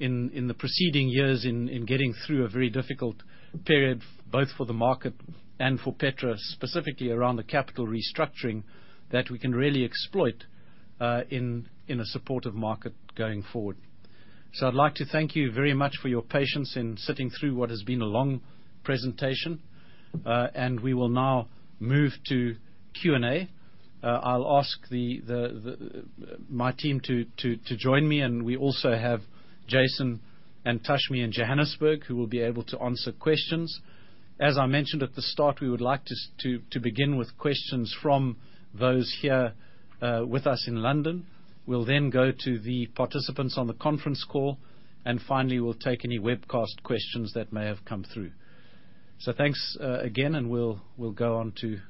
the preceding years in getting through a very difficult period, both for the market and for Petra, specifically around the capital restructuring that we can really exploit in a supportive market going forward. I'd like to thank you very much for your patience in sitting through what has been a long presentation. We will now move to Q&A. I'll ask my team to join me, and we also have Jason and Tashmi in Johannesburg who will be able to answer questions. As I mentioned at the start, we would like to begin with questions from those here with us in London. We'll then go to the participants on the conference call. Finally, we'll take any webcast questions that may have come through. Thanks again, and we'll go on to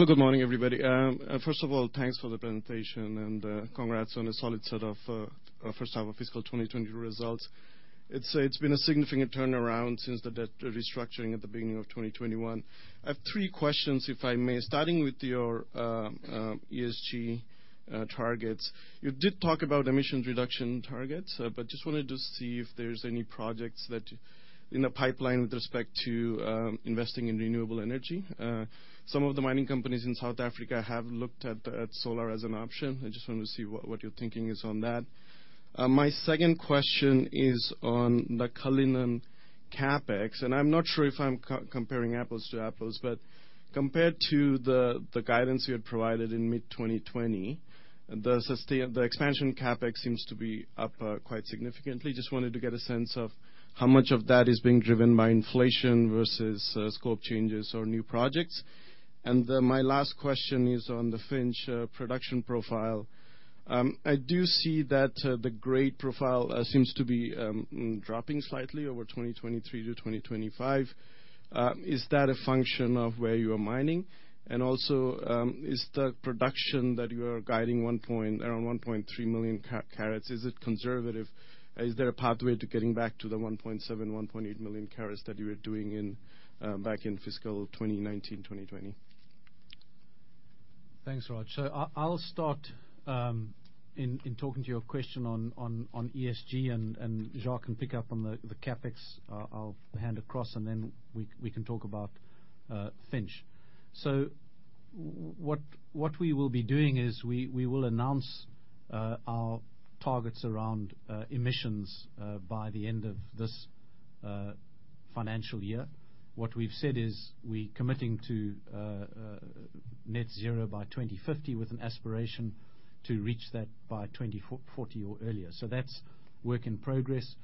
Q&A. Starting from in the room. Hello, good morning, everybody. First of all, thanks for the presentation and congrats on a solid set of our first half of fiscal 2020 results. It's been a significant turnaround since the debt restructuring at the beginning of 2021. I have three questions, if I may. Starting with your ESG targets. You did talk about emissions reduction targets but just wanted to see if there's any projects that are in the pipeline with respect to investing in renewable energy. Some of the mining companies in South Africa have looked at solar as an option. I just wanted to see what your thinking is on that. My second question is on the Cullinan CapEx, and I'm not sure if I'm comparing apples to apples, but compared to the guidance you had provided in mid-2020, the expansion CapEx seems to be up quite significantly. Just wanted to get a sense of how much of that is being driven by inflation versus scope changes or new projects. My last question is on the Finsch production profile. I do see that the grade profile seems to be dropping slightly over 2023 to 2025. Is that a function of where you are mining? Also, is the production that you are guiding around 1.3 million carats conservative? Is there a pathway to getting back to the 1.7-1.8 million carats that you were doing in back in fiscal 2019, 2020? Thanks, Raj. I'll start in talking to your question on ESG, and Jacques can pick up on the CapEx. I'll hand across, and then we can talk about Finsch. What we will be doing is we will announce our targets around emissions by the end of this financial year. What we've said is we're committing to net zero by 2050, with an aspiration to reach that by 2040 or earlier. That's work in progress.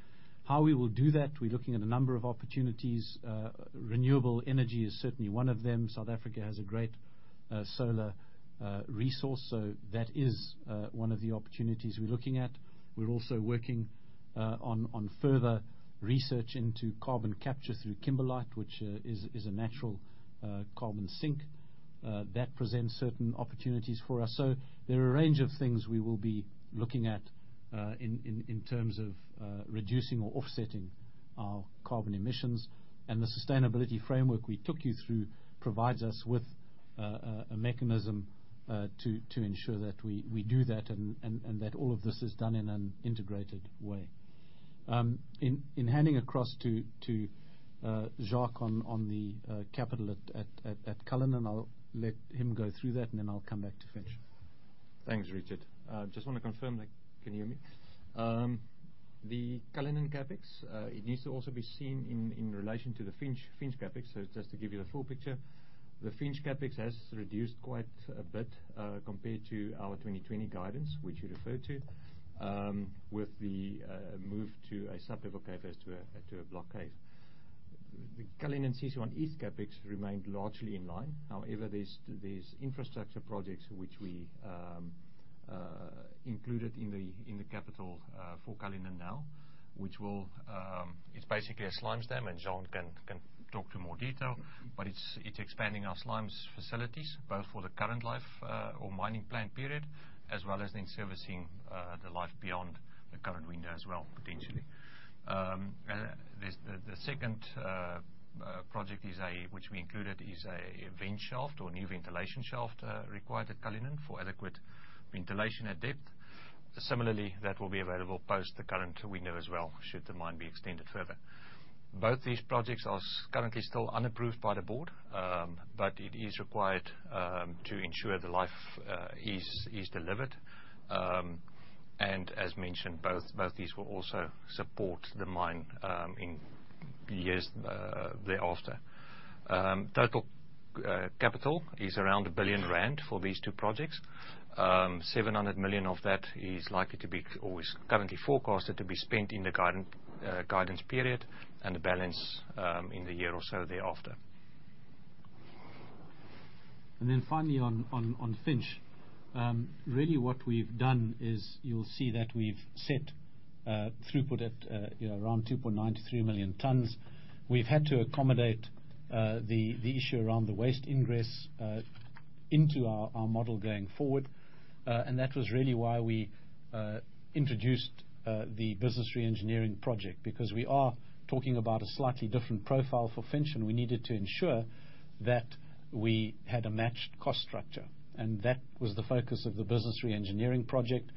How we will do that, we're looking at a number of opportunities. Renewable energy is certainly one of them. South Africa has a great solar resource, so that is one of the opportunities we're looking at. We're also working on further research into carbon capture through kimberlite, which is a natural carbon sink. That presents certain opportunities for us. There are a range of things we will be looking at in terms of reducing or offsetting our carbon emissions. The sustainability framework we took you through provides us with a mechanism to ensure that we do that, and that all of this is done in an integrated way. Handing across to Jacques on the capital at Cullinan. I'll let him go through that, and then I'll come back to Finsch. Thanks, Richard. I just want to confirm, like, can you hear me? The Cullinan CapEx, it needs to also be seen in relation to the Finsch CapEx. Just to give you the full picture, the Finsch CapEx has reduced quite a bit compared to our 2020 guidance, which you referred to, with the move to a sub-level cave as opposed to a block cave. The Cullinan CC1 East CapEx remained largely in line. However, there's infrastructure projects which we included in the capital for Cullinan now, which will, it's basically a slimes dam, and Juan can talk to more detail. But it's expanding our slimes facilities, both for the current life-of-mine plan period, as well as then servicing the life beyond the current window as well, potentially. The second project, which we included, is a vent shaft or new ventilation shaft required at Cullinan for adequate ventilation at depth. Similarly, that will be available post the current window as well, should the mine be extended further. Both these projects are currently still unapproved by the board, but it is required to ensure the life is delivered. As mentioned, both these will also support the mine in years thereafter. Total capital is around 1 billion rand for these two projects. 700 million of that is likely to be or is currently forecasted to be spent in the guidance period, and the balance in the year or so thereafter. Then finally on Finsch. Really what we've done is you'll see that we've set throughput at you know around 2.9 million-3 million tonnes. We've had to accommodate the issue around the waste ingress into our model going forward. That was really why we introduced the business re-engineering project. Because we are talking about a slightly different profile for Finsch, and we needed to ensure that we had a matched cost structure. That was the focus of the business re-engineering project.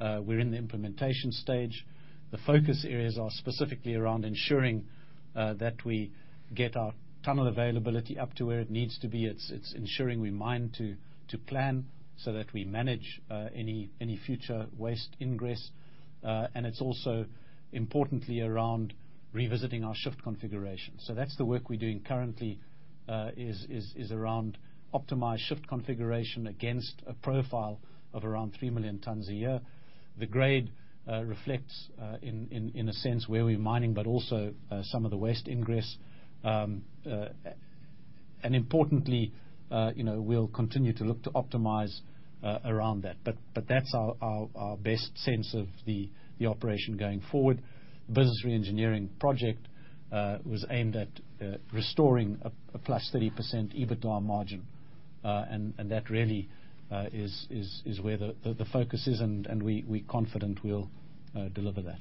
We're in the implementation stage. The focus areas are specifically around ensuring that we get our tunnel availability up to where it needs to be. It's ensuring we mine to plan so that we manage any future waste ingress. It's also importantly around revisiting our shift configuration. That's the work we're doing currently is around optimized shift configuration against a profile of around 3 million tonnes a year. The grade reflects in a sense where we're mining, but also some of the waste ingress. Importantly, you know, we'll continue to look to optimize around that. That's our best sense of the operation going forward. Business reengineering project was aimed at restoring a +30% EBITDA margin. That really is where the focus is and we confident will deliver that.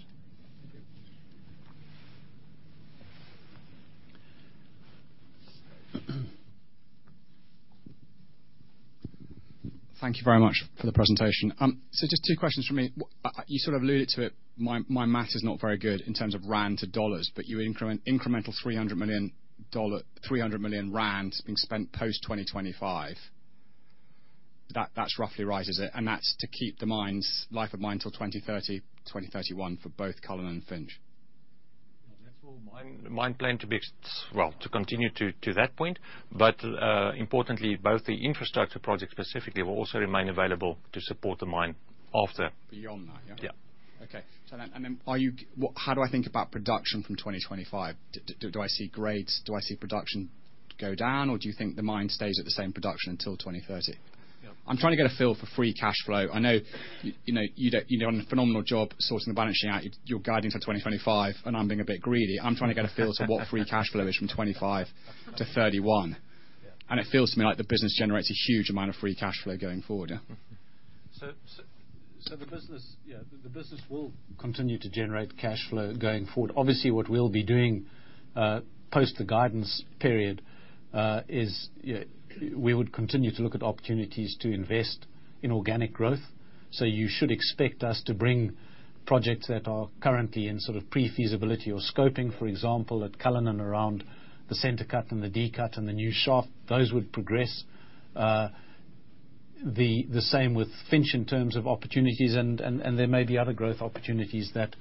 Thank you. Thank you very much for the presentation. Just two questions from me. You sort of alluded to it, my math is not very good in terms of rand to dollars, but you increment, incremental $300 million, 300 million rand being spent post-2025. That's roughly right, is it? That's to keep the mine's life of mine till 2030, 2031 for both Cullinan and Finsch. That's all. Mine plan to be as well, to continue to that point. Importantly, both the infrastructure project specifically will also remain available to support the mine after. Beyond that, yeah? Yeah. How do I think about production from 2025? Do I see grades? Do I see production go down? Or do you think the mine stays at the same production until 2030? Yeah. I'm trying to get a feel for free cash flow. I know, you know, you're doing a phenomenal job sort of balancing out your guidance for 2025, and I'm being a bit greedy. I'm trying to get a feel for what free cash flow is from 2025 to 2031. Yeah. It feels to me like the business generates a huge amount of free cash flow going forward. The business, yeah, will continue to generate cash flow going forward. Obviously, what we'll be doing post the guidance period is we would continue to look at opportunities to invest in organic growth. You should expect us to bring projects that are currently in sort of pre-feasibility or scoping. For example, at Cullinan around the Centre Cut and the D-Cut and the new shaft, those would progress. The same with Finsch in terms of opportunities. There may be other growth opportunities that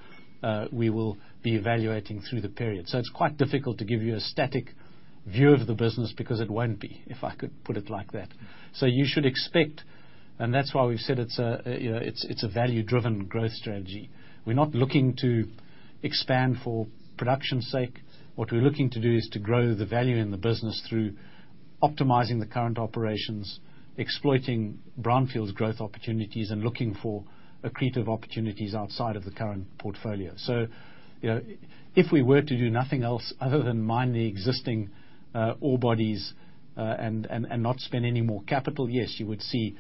we will be evaluating through the period. It's quite difficult to give you a static view of the business because it won't be, if I could put it like that. You should expect, and that's why we've said it's a, you know, a value-driven growth strategy. We're not looking to expand for production sake. What we're looking to do is to grow the value in the business through optimizing the current operations, exploiting brownfields growth opportunities, and looking for accretive opportunities outside of the current portfolio. You know, if we were to do nothing else other than mine the existing ore bodies and not spend any more capital, yes, you would see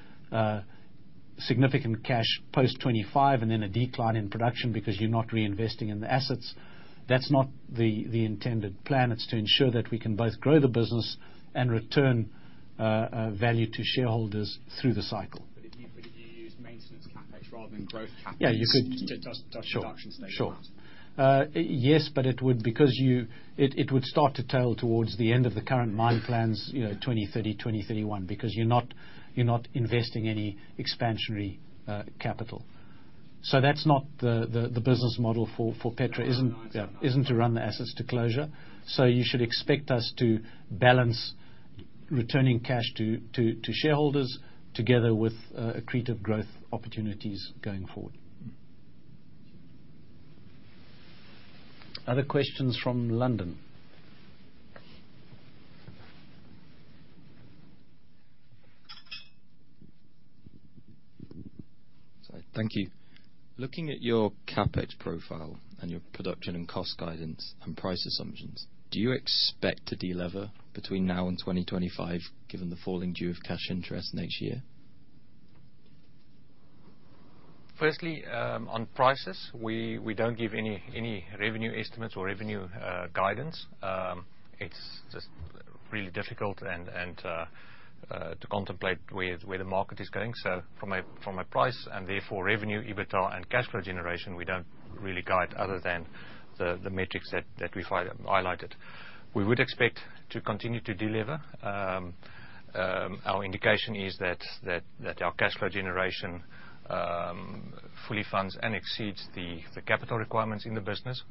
significant cash post 2025 and then a decline in production because you're not reinvesting in the assets. That's not the intended plan. It's to ensure that we can both grow the business and return value to shareholders through the cycle. If you use maintenance CapEx rather than growth CapEx. Yeah, you could- Does production stay flat? Sure. Yes, but it would start to tail towards the end of the current mine plans, you know, 2030, 2031, because you're not investing any expansionary capital. So that's not the business model for Petra isn't- I understand. Yeah. It's not to run the assets to closure. You should expect us to balance returning cash to shareholders together with accretive growth opportunities going forward. Other questions from London. Sorry. Thank you. Looking at your CapEx profile and your production and cost guidance and price assumptions, do you expect to delever between now and 2025, given the falling due of cash interest next year? Firstly, on prices, we don't give any revenue estimates or revenue guidance. It's just really difficult and to contemplate where the market is going. From a price, and therefore revenue, EBITDA, and cash flow generation, we don't really guide other than the metrics that we've highlighted. We would expect to continue to delever. Our indication is that our cash flow generation fully funds and exceeds the capital requirements in the business,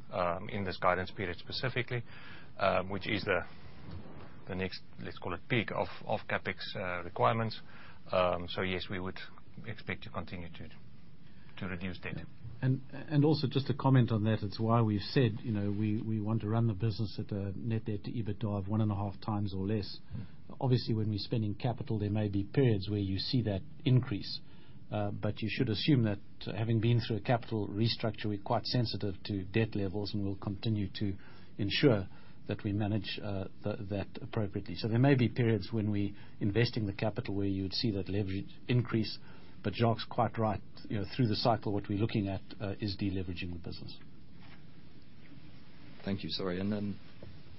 in this guidance period specifically, which is the next, let's call it, peak of CapEx requirements. Yes, we would expect to continue to reduce debt. Also just to comment on that, it's why we've said, you know, we want to run the business at a net debt to EBITDA of 1.5x or less. Obviously, when we're spending capital, there may be periods where you see that increase. You should assume that having been through a capital restructure, we're quite sensitive to debt levels, and we'll continue to ensure that we manage that appropriately. There may be periods when we investing the capital where you'd see that leverage increase, but Jacques is quite right. You know, through the cycle, what we're looking at is deleveraging the business. Thank you. Sorry, and then,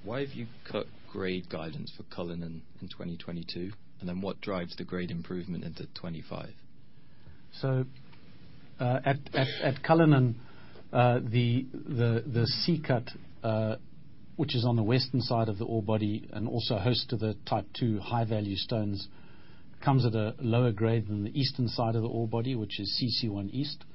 why have you cut grade guidance for Cullinan in 2022? What drives the grade improvement into 2025? At Cullinan, the C-Cut, which is on the western side of the ore body and also host to the Type II high-value stones, comes at a lower grade than the eastern side of the ore body, which is CC1 East.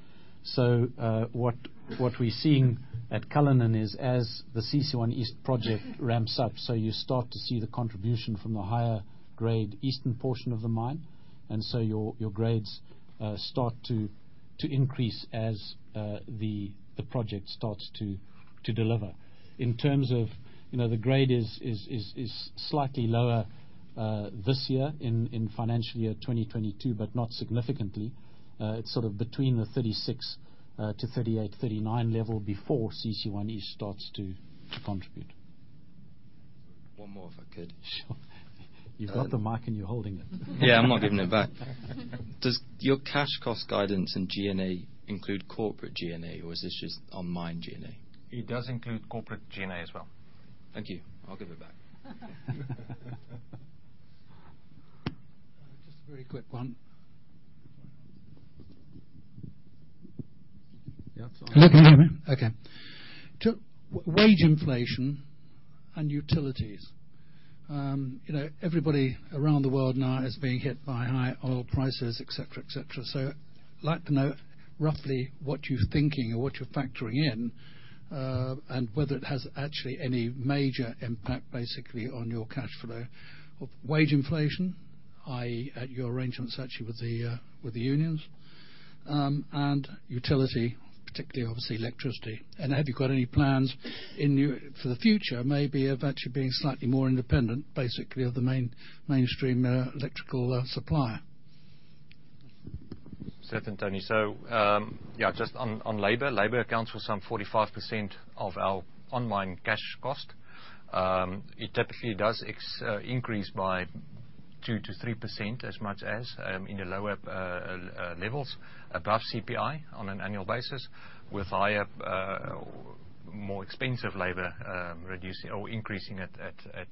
What we're seeing at Cullinan is as the CC1 East project ramps up, so you start to see the contribution from the higher-grade eastern portion of the mine. Your grades start to increase as the project starts to deliver. In terms of, you know, the grade is slightly lower this year in financial year 2022, but not significantly. It's sort of between the 36 to 38-39 level before CC1E starts to contribute. One more if I could. Sure. You've got the mic and you're holding it. Yeah, I'm not giving it back. Does your cash cost guidance and G&A include corporate G&A, or is this just on mine G&A? It does include corporate G&A as well. Thank you. I'll give it back. Just a very quick one. Yeah. Can you hear me? Wage inflation and utilities. You know, everybody around the world now is being hit by high oil prices, et cetera, et cetera. I'd like to know roughly what you're thinking or what you're factoring in, and whether it has actually any major impact basically on your cash flow of wage inflation, i.e., at your arrangements actually with the unions, and utility, particularly obviously electricity. Have you got any plans for the future, maybe of actually being slightly more independent, basically, of the mainstream electrical supplier? Certainty. Just on labor. Labor accounts for some 45% of our all-in cash cost. It typically increases by 2%-3% as much as in the lower levels above CPI on an annual basis, with higher more expensive labor reducing or increasing at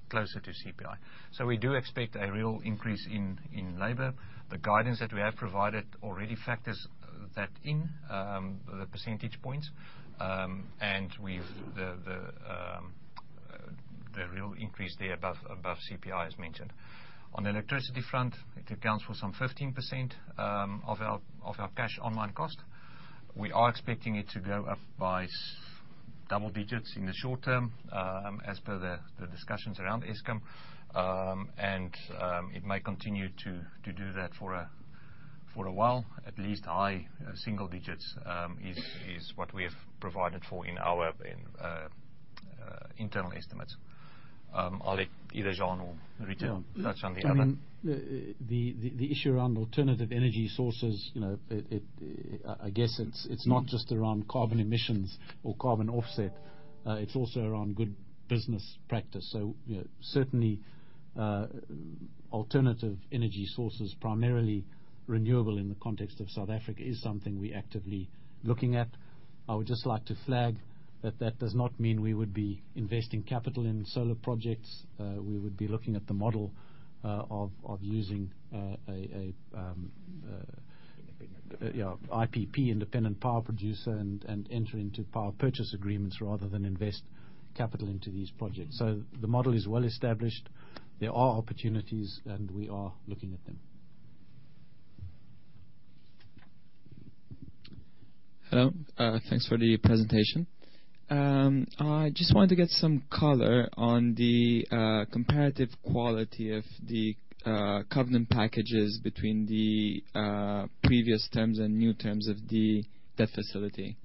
closer to CPI. We do expect a real increase in labor. The guidance that we have provided already factors that in the percentage points. We have the real increase there above CPI as mentioned. On the electricity front, it accounts for some 15% of our cash all-in cost. We are expecting it to go up by double digits in the short term, as per the discussions around Eskom. It may continue to do that for a while, at least high single digits, is what we have provided for in our internal estimates. I'll let either Juan or Richard touch on the other. Yeah. The issue around alternative energy sources, you know, I guess it's not just around carbon emissions or carbon offset, it's also around good business practice. You know, certainly, alternative energy sources, primarily renewable in the context of South Africa, is something we actively looking at. I would just like to flag that does not mean we would be investing capital in solar projects. We would be looking at the model of using a IPP, independent power producer, and entering into power purchase agreements rather than invest capital into these projects. The model is well established. There are opportunities, and we are looking at them. Hello. Thanks for the presentation. I just wanted to get some color on the comparative quality of the covenant packages between the previous terms and new terms of the debt facility.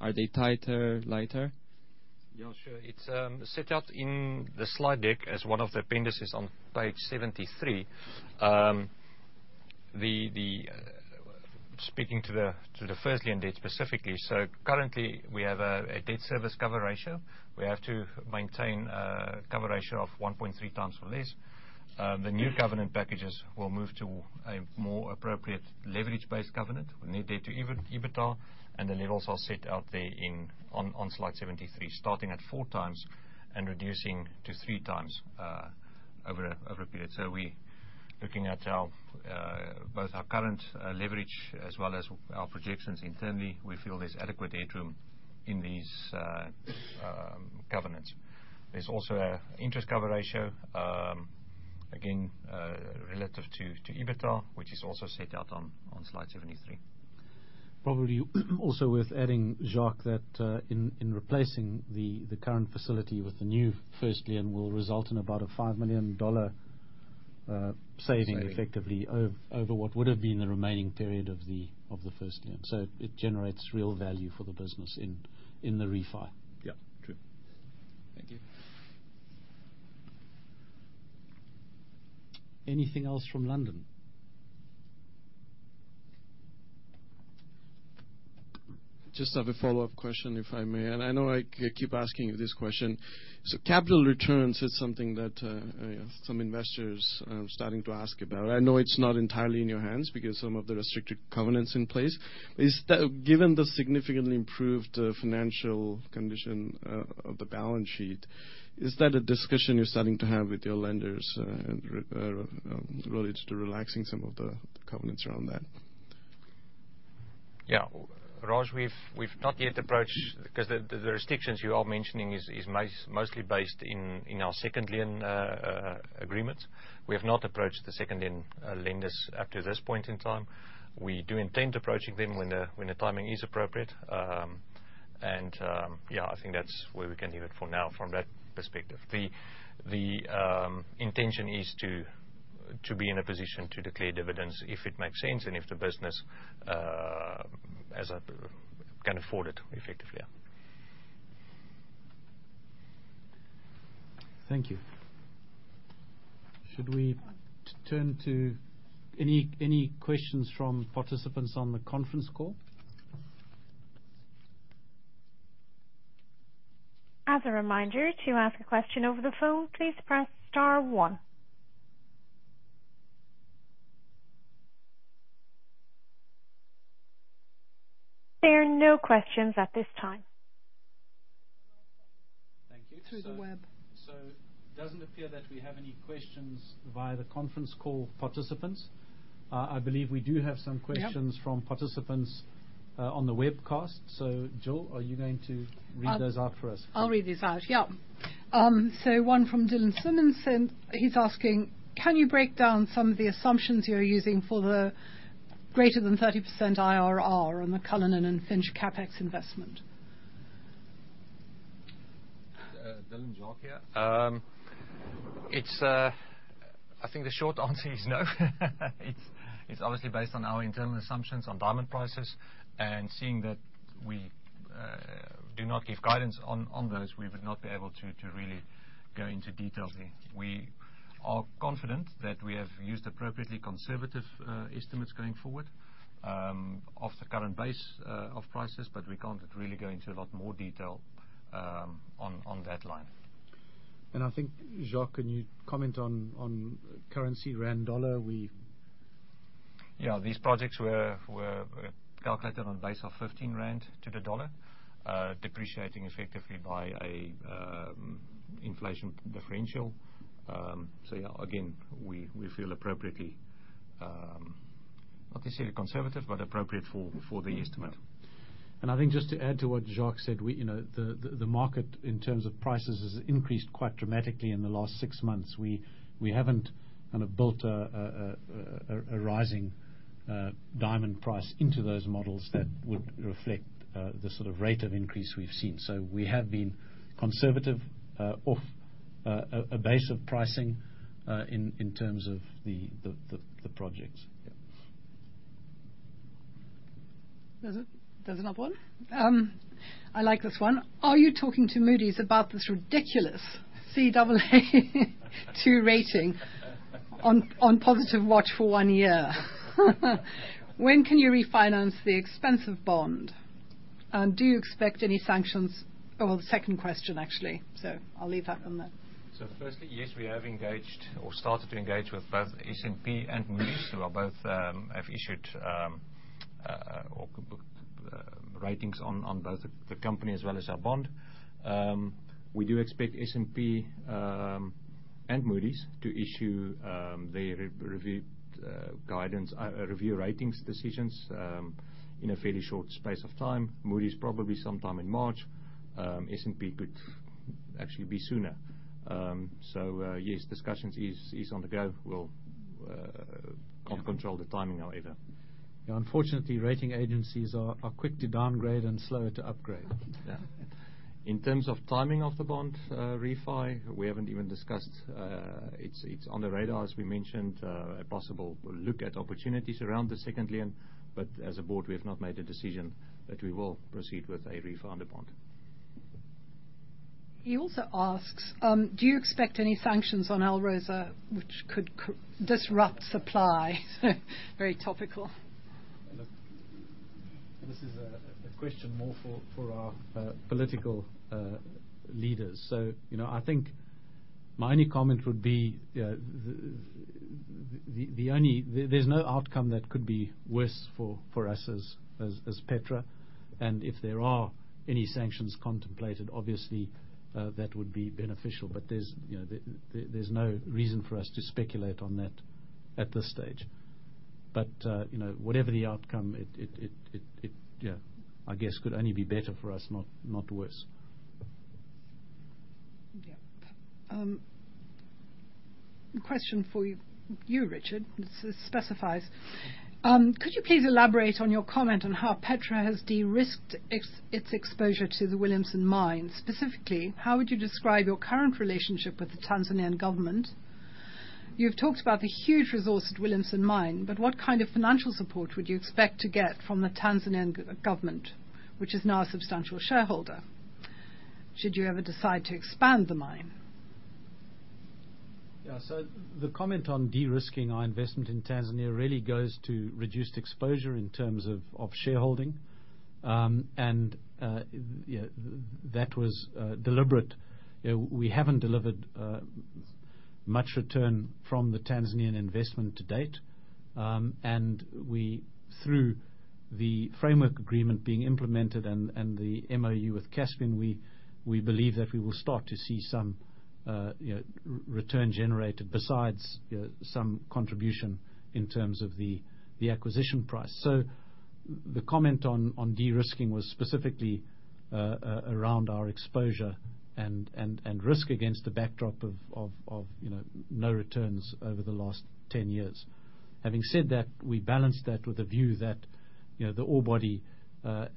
Are they tighter, lighter? Yeah, sure. It's set out in the slide deck as one of the appendices on page 73. Speaking to the first lien debt specifically. Currently we have a debt service coverage ratio. We have to maintain a cover ratio of 1.3x or less. The new covenant packages will move to a more appropriate leverage-based covenant. We need debt-to EBITDA, and the levels are set out there, on slide 73, starting at 4x and reducing to 3x over a period. We're looking at both our current leverage as well as our projections internally, we feel there's adequate headroom in these covenants. There's also an interest coverage ratio, again, relative to EBITDA, which is also set out on slide 73. Probably also worth adding, Jacques, that in replacing the current facility with the new first lien will result in about a $5 million– Saving. Saving effectively over what would have been the remaining period of the first lien. It generates real value for the business in the refi. Yeah, true. Thank you. Anything else from London? Just have a follow-up question, if I may. I know I keep asking you this question. Capital returns is something that some investors are starting to ask about. I know it's not entirely in your hands because some of the restricted covenants in place. Given the significantly improved financial condition of the balance sheet, is that a discussion you're starting to have with your lenders related to relaxing some of the covenants around that? Raj, we've not yet approached, 'cause the restrictions you are mentioning is mostly based in our second lien agreement. We have not approached the second lien lenders up to this point in time. We do intend approaching them when the timing is appropriate. I think that's where we can leave it for now from that perspective. The intention is to be in a position to declare dividends if it makes sense, and if the business can afford it effectively. Thank you. Should we turn to any questions from participants on the conference call? As a reminder, to ask a question over the phone, please press star one. There are no questions at this time. Thank you. Through the web. It doesn't appear that we have any questions via the conference call participants. I believe we do have some questions... Yep. ...from participants on the webcast. Jill, are you going to read those out for us? I'll read these out, yeah. So one from Dylan Simmons, and he's asking: Can you break down some of the assumptions you're using for the greater than 30% IRR on the Cullinan and Finsch CapEx investment? Dylan, Jacques here. It's, I think the short answer is no. It's obviously based on our internal assumptions on diamond prices and seeing that we do not give guidance on those, we would not be able to really go into details here. We are confident that we have used appropriately conservative estimates going forward of the current base of prices, but we can't really go into a lot more detail on that line. I think, Jacques, can you comment on currency rand dollar we- Yeah, these projects were calculated on a basis of 15 rand to the dollar, depreciating effectively by an inflation differential. Yeah, again, we feel appropriately, not to say conservative, but appropriate for the estimate. I think just to add to what Jacques said, you know, the market in terms of prices has increased quite dramatically in the last six months. We haven't kind of built a rising diamond price into those models that would reflect the sort of rate of increase we've seen. We have been conservative off a base of pricing in terms of the projects. Yeah. There's another one. I like this one. Are you talking to Moody's about this ridiculous Caa2 rating on positive watch for one year? When can you refinance the expensive bond? And do you expect any sanctions? Oh, the second question actually. I'll leave that one there. Firstly, yes, we have engaged or started to engage with both S&P and Moody's, who have both issued ratings on both the company as well as our bond. We do expect S&P and Moody's to issue their re-reviewed ratings decisions in a fairly short space of time. Moody's probably sometime in March. S&P could actually be sooner. Yes, discussions is on the go. We can't control the timing, however. Yeah, unfortunately, rating agencies are quick to downgrade and slower to upgrade. Yeah. In terms of timing of the bond refi, we haven't even discussed. It's on the radar, as we mentioned, a possible look at opportunities around the second lien. As a board, we have not made a decision that we will proceed with a refi on the bond. He also asks, do you expect any sanctions on ALROSA which could disrupt supply? Very topical. Look, this is a question more for our political leaders. I think my only comment would be, you know, there's no outcome that could be worse for us as Petra. If there are any sanctions contemplated, obviously, that would be beneficial. There's, you know, no reason for us to speculate on that at this stage. You know, whatever the outcome, it, yeah, I guess could only be better for us, not worse. A question for you, Richard. Could you please elaborate on your comment on how Petra has de-risked its exposure to the Williamson mine? Specifically, how would you describe your current relationship with the Tanzanian government? You've talked about the huge resource at Williamson mine, but what kind of financial support would you expect to get from the Tanzanian government, which is now a substantial shareholder, should you ever decide to expand the mine? Yeah. The comment on de-risking our investment in Tanzania really goes to reduced exposure in terms of shareholding. You know, that was deliberate. You know, we haven't delivered much return from the Tanzanian investment to date. Through the framework agreement being implemented and the MoU with Caspian, we believe that we will start to see some return generated besides some contribution in terms of the acquisition price. The comment on de-risking was specifically around our exposure and risk against the backdrop of you know no returns over the last 10 years. Having said that, we balance that with a view that you know the ore body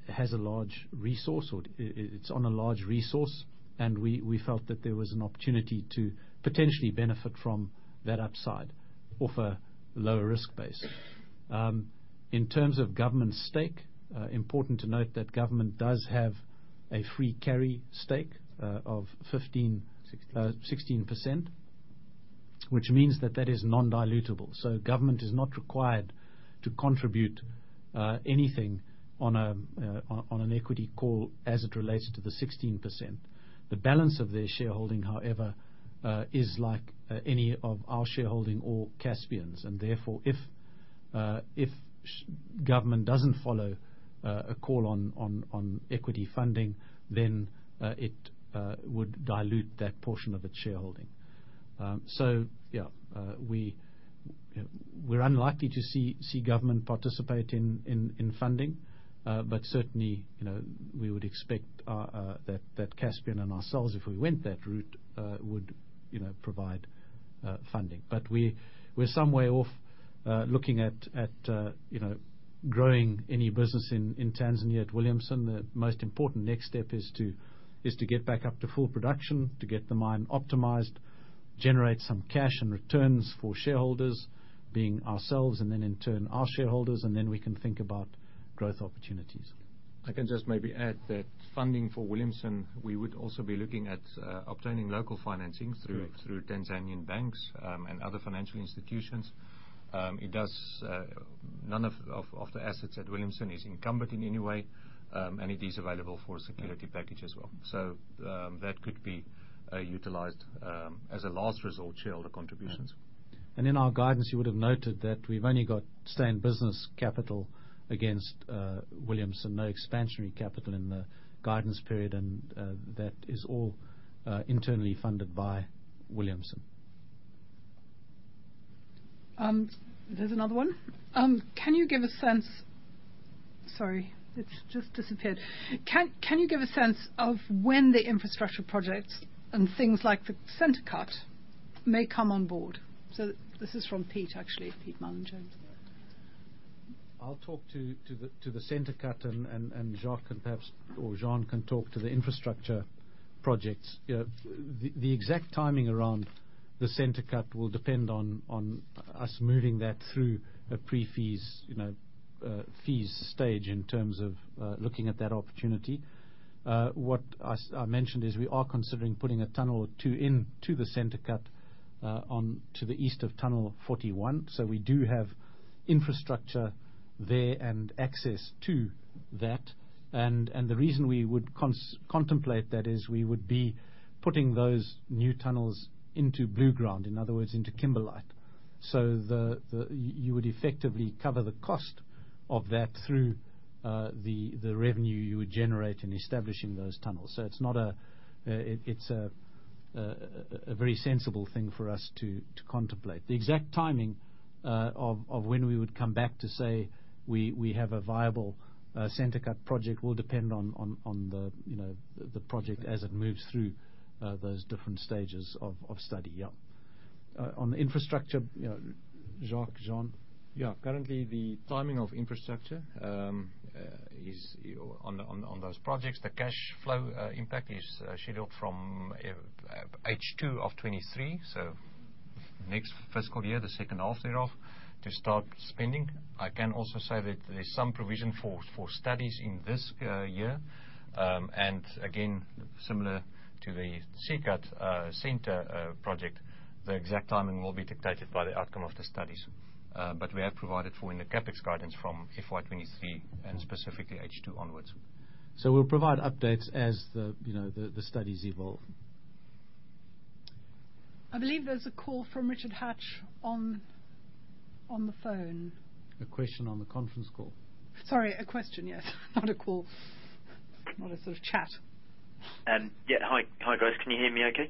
has a large resource or it it's on a large resource, and we felt that there was an opportunity to potentially benefit from that upside of a lower risk base. In terms of government stake, important to note that government does have a free carry stake of 15– 16 16%, which means that is non-dilutable. Government is not required to contribute anything on an equity call as it relates to the 16%. The balance of their shareholding, however, is like any of our shareholding or Caspian's. Therefore, if government doesn't follow a call on equity funding, then it would dilute that portion of its shareholding. We're unlikely to see government participate in funding, but certainly, you know, we would expect that Caspian and ourselves, if we went that route, would, you know, provide funding. We're some way off looking at, you know, growing any business in Tanzania at Williamson. The most important next step is to get back up to full production, to get the mine optimized, generate some cash and returns for shareholders being ourselves, and then in turn, our shareholders, and then we can think about growth opportunities. I can just maybe add that funding for Williamson, we would also be looking at obtaining local financing through... Correct ...through Tanzanian banks and other financial institutions. None of the assets at Williamson is encumbered in any way, and it is available for security package as well. That could be utilized as a last resort, shareholder contributions. In our guidance, you would have noted that we've only got stay in business capital against Williamson, no expansionary capital in the guidance period, and that is all internally funded by Williamson. There's another one. Sorry, it's just disappeared. Can you give a sense of when the infrastructure projects and things like the Centre Cut may come on board? This is from Pete, actually. Pete Malin-Jones. I'll talk to the Centre Cut and Jacques can perhaps, or Juan can talk to the infrastructure projects. You know, the exact timing around the Centre Cut will depend on us moving that through a pre-feasibility stage in terms of looking at that opportunity. What I mentioned is we are considering putting a tunnel into the Centre Cut onto the east of Tunnel 41. So we do have infrastructure there and access to that. The reason we would contemplate that is we would be putting those new tunnels into blue ground, in other words, into kimberlite. You would effectively cover the cost of that through the revenue you would generate in establishing those tunnels. So it's not a– It's a very sensible thing for us to contemplate. The exact timing of when we would come back to say we have a viable Centre Cut project will depend on you know the project as it moves through those different stages of study. Yeah. On infrastructure, you know, Jacques, Juan. Yeah. Currently, the timing of infrastructure is on those projects. The cash flow impact is scheduled from H2 2023, so next fiscal year, the second half thereof, to start spending. I can also say that there's some provision for studies in this year. Again, similar to the C-Cut Centre project, the exact timing will be dictated by the outcome of the studies. We have provided for in the CapEx guidance from FY 2023 and specifically H2 onwards. We'll provide updates as the, you know, the studies evolve. I believe there's a call from Richard Hatch on the phone. A question on the conference call. Sorry, a question, yes. Not a call. Not a sort of chat. Yeah. Hi, guys. Can you hear me okay?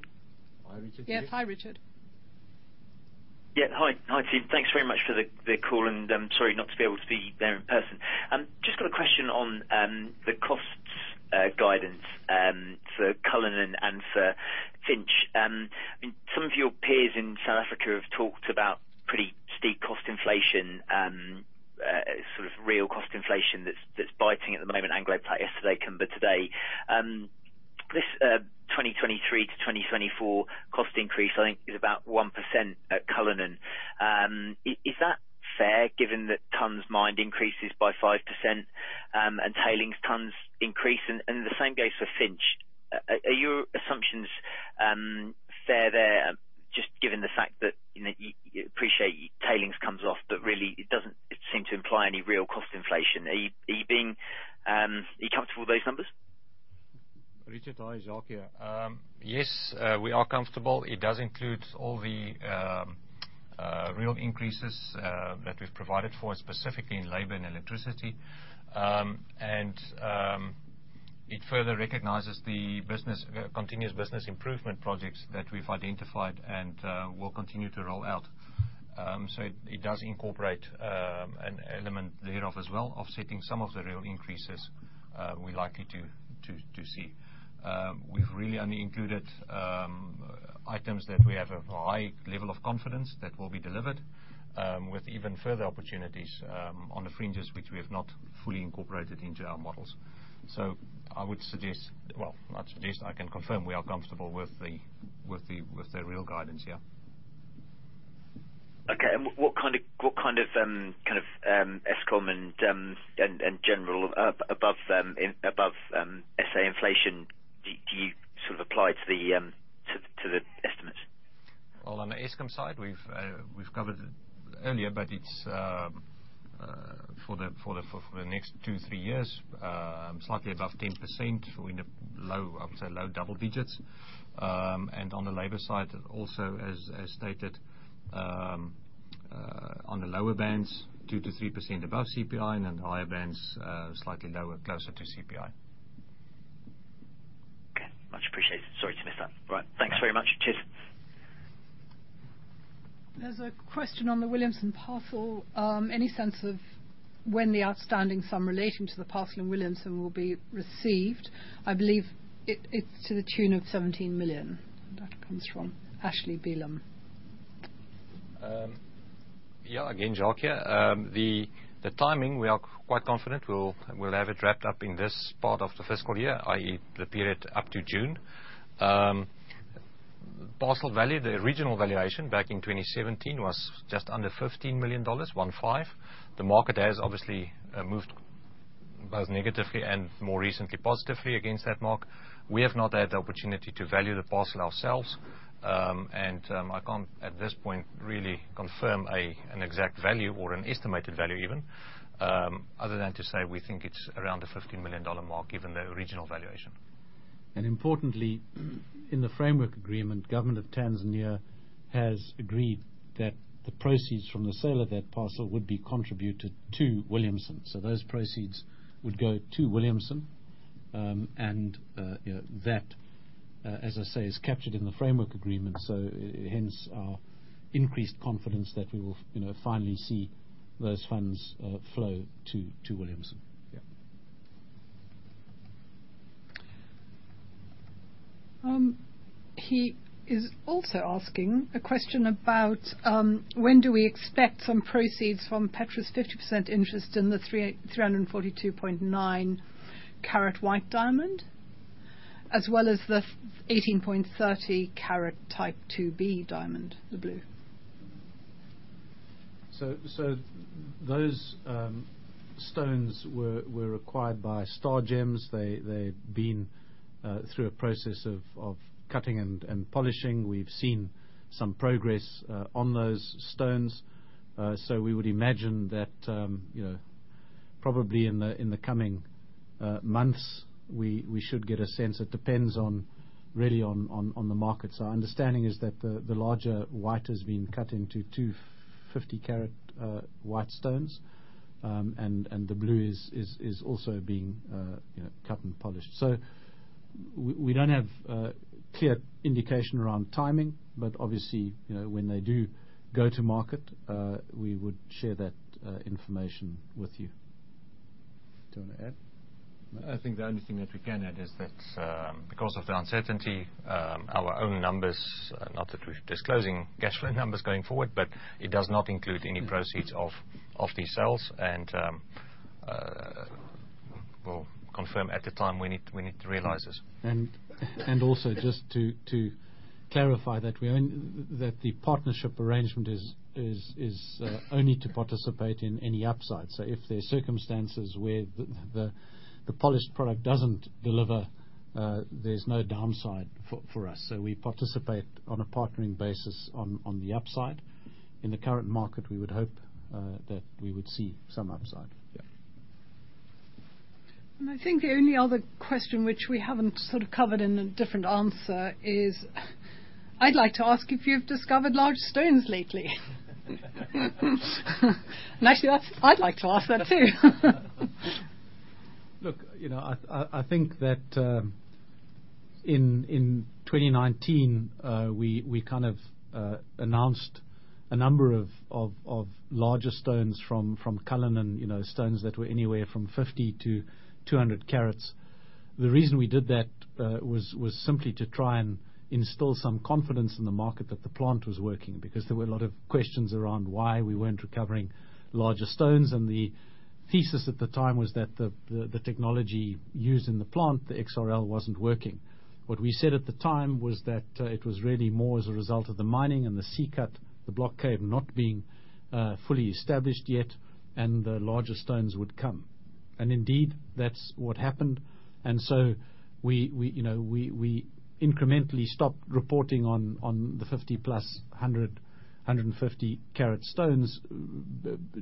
Hi, Richard. Can you hear us? Yes. Hi, Richard. Hi. Hi, team. Thanks very much for the call, and I'm sorry not to be able to be there in person. Just got a question on the costs guidance for Cullinan and for Finsch. Some of your peers in South Africa have talked about pretty steep cost inflation, sort of real cost inflation that's biting at the moment, AngloGold Ashanti yesterday, Kumba Iron Ore today. This 2023 to 2024 cost increase, I think is about 1% at Cullinan. Is that fair given that tonnes mined increases by 5%, and tailings tonnes increase? The same goes for Finsch. Are your assumptions fair there, just given the fact that, you know, you appreciate tailings comes off, but really it doesn't seem to imply any real cost inflation. Are you being... Are you comfortable with those numbers? Richard, hi. It's Jacques here. Yes, we are comfortable. It does include all the real increases that we've provided for, specifically in labor and electricity. It further recognizes the business continuous business improvement projects that we've identified and will continue to roll out. It does incorporate an element thereof as well, offsetting some of the real increases we're likely to see. We've really only included items that we have a high level of confidence that will be delivered, with even further opportunities on the fringes which we have not fully incorporated into our models. I can confirm we are comfortable with the real guidance, yeah. Okay. What kind of Eskom and general above SA inflation do you sort of apply to the estimates? Well, on the Eskom side, we've covered earlier, but it's for the next 2-3 years, slightly above 10% within the low double digits, I would say. On the labor side also as stated, on the lower bands 2%-3% above CPI and then the higher bands, slightly lower, closer to CPI. Okay. Much appreciated. Sorry to miss that. Right. Thanks very much. Cheers. There's a question on the Williamson parcel. Any sense of when the outstanding sum relating to the parcel in Williamson will be received? I believe it's to the tune of $17 million. That comes from Ashley Belem. Yeah. Again, Jacques here. The timing we are quite confident we'll have it wrapped up in this part of the fiscal year, i.e., the period up to June. Parcel value, the original valuation back in 2017 was just under $15 million, 15. The market has obviously moved both negatively and more recently positively against that mark. We have not had the opportunity to value the parcel ourselves. I can't at this point really confirm an exact value or an estimated value even, other than to say we think it's around the $15 million mark given the original valuation. Importantly, in the framework agreement, Government of Tanzania has agreed that the proceeds from the sale of that parcel would be contributed to Williamson. Those proceeds would go to Williamson. You know, that as I say is captured in the framework agreement. Hence our increased confidence that we will, you know, finally see those funds flow to Williamson. Yeah. He is also asking a question about when do we expect some proceeds from Petra's 50% interest in the 38– 342.9 carat white diamond, as well as the 18.30 carat Type II-B diamond, the blue. Those stones were acquired by Stargems. They've been through a process of cutting and polishing. We've seen some progress on those stones. We would imagine that you know, probably in the coming months, we should get a sense. It depends really on the market. Our understanding is that the larger white has been cut into two 50-carat white stones. And the blue is also being you know, cut and polished. We don't have clear indication around timing, but obviously, you know, when they do go to market, we would share that information with you. Do you wanna add? I think the only thing that we can add is that, because of the uncertainty, our own numbers, not that we're disclosing cash flow numbers going forward, but it does not include any proceeds of these sales. We'll confirm at the time we need to realize this. And also just to clarify that the partnership arrangement is only to participate in any upside. If there are circumstances where the polished product doesn't deliver, there's no downside for us. We participate on a partnering basis on the upside. In the current market, we would hope that we would see some upside. Yeah. I think the only other question which we haven't sort of covered in a different answer is, I'd like to ask if you've discovered large stones lately. Actually, that's, I'd like to ask that too. Look, you know, I think that in 2019 we kind of announced a number of larger stones from Cullinan, you know, stones that were anywhere from 50-200 carats. The reason we did that was simply to try and instill some confidence in the market that the plant was working, because there were a lot of questions around why we weren't recovering larger stones. The thesis at the time was that the technology used in the plant, the XRL, wasn't working. What we said at the time was that it was really more as a result of the mining and the C-Cut, the block cave not being fully established yet, and the larger stones would come. Indeed, that's what happened. We incrementally stopped reporting on the 50-plus, 100- and 150-carat stones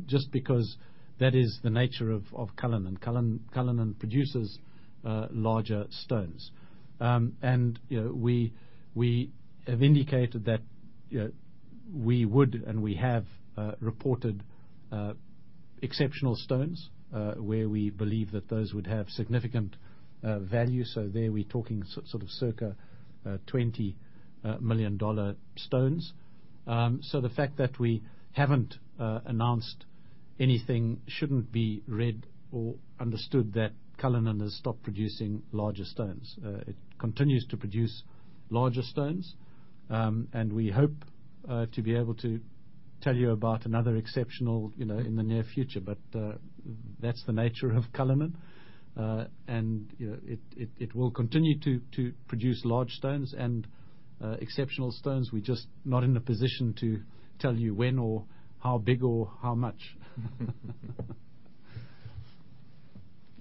just because that is the nature of Cullinan. Cullinan produces larger stones. You know, we have indicated that you know, we would, and we have reported exceptional stones where we believe that those would have significant value. There we're talking sort of circa $20 million stones. The fact that we haven't announced anything shouldn't be read or understood that Cullinan has stopped producing larger stones. It continues to produce larger stones. We hope to be able to tell you about another exceptional you know, in the near future. That's the nature of Cullinan. You know, it will continue to produce large stones and exceptional stones. We're just not in a position to tell you when or how big or how much.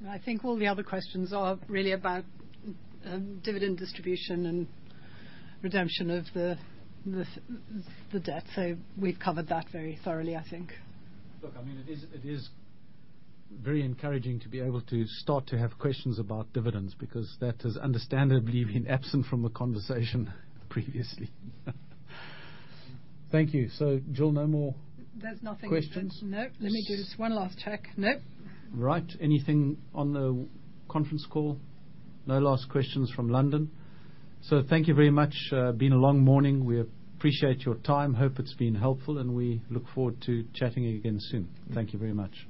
I think all the other questions are really about dividend distribution and redemption of the debt. We've covered that very thoroughly, I think. Look, I mean, it is very encouraging to be able to start to have questions about dividends because that has understandably been absent from the conversation previously. Thank you. Jill, no more- There's nothing else. -questions? Nope. Let me do this one last check. Nope. Right. Anything on the conference call? No last questions from London. Thank you very much. It's been a long morning. We appreciate your time. Hope it's been helpful, and we look forward to chatting again soon. Thank you very much.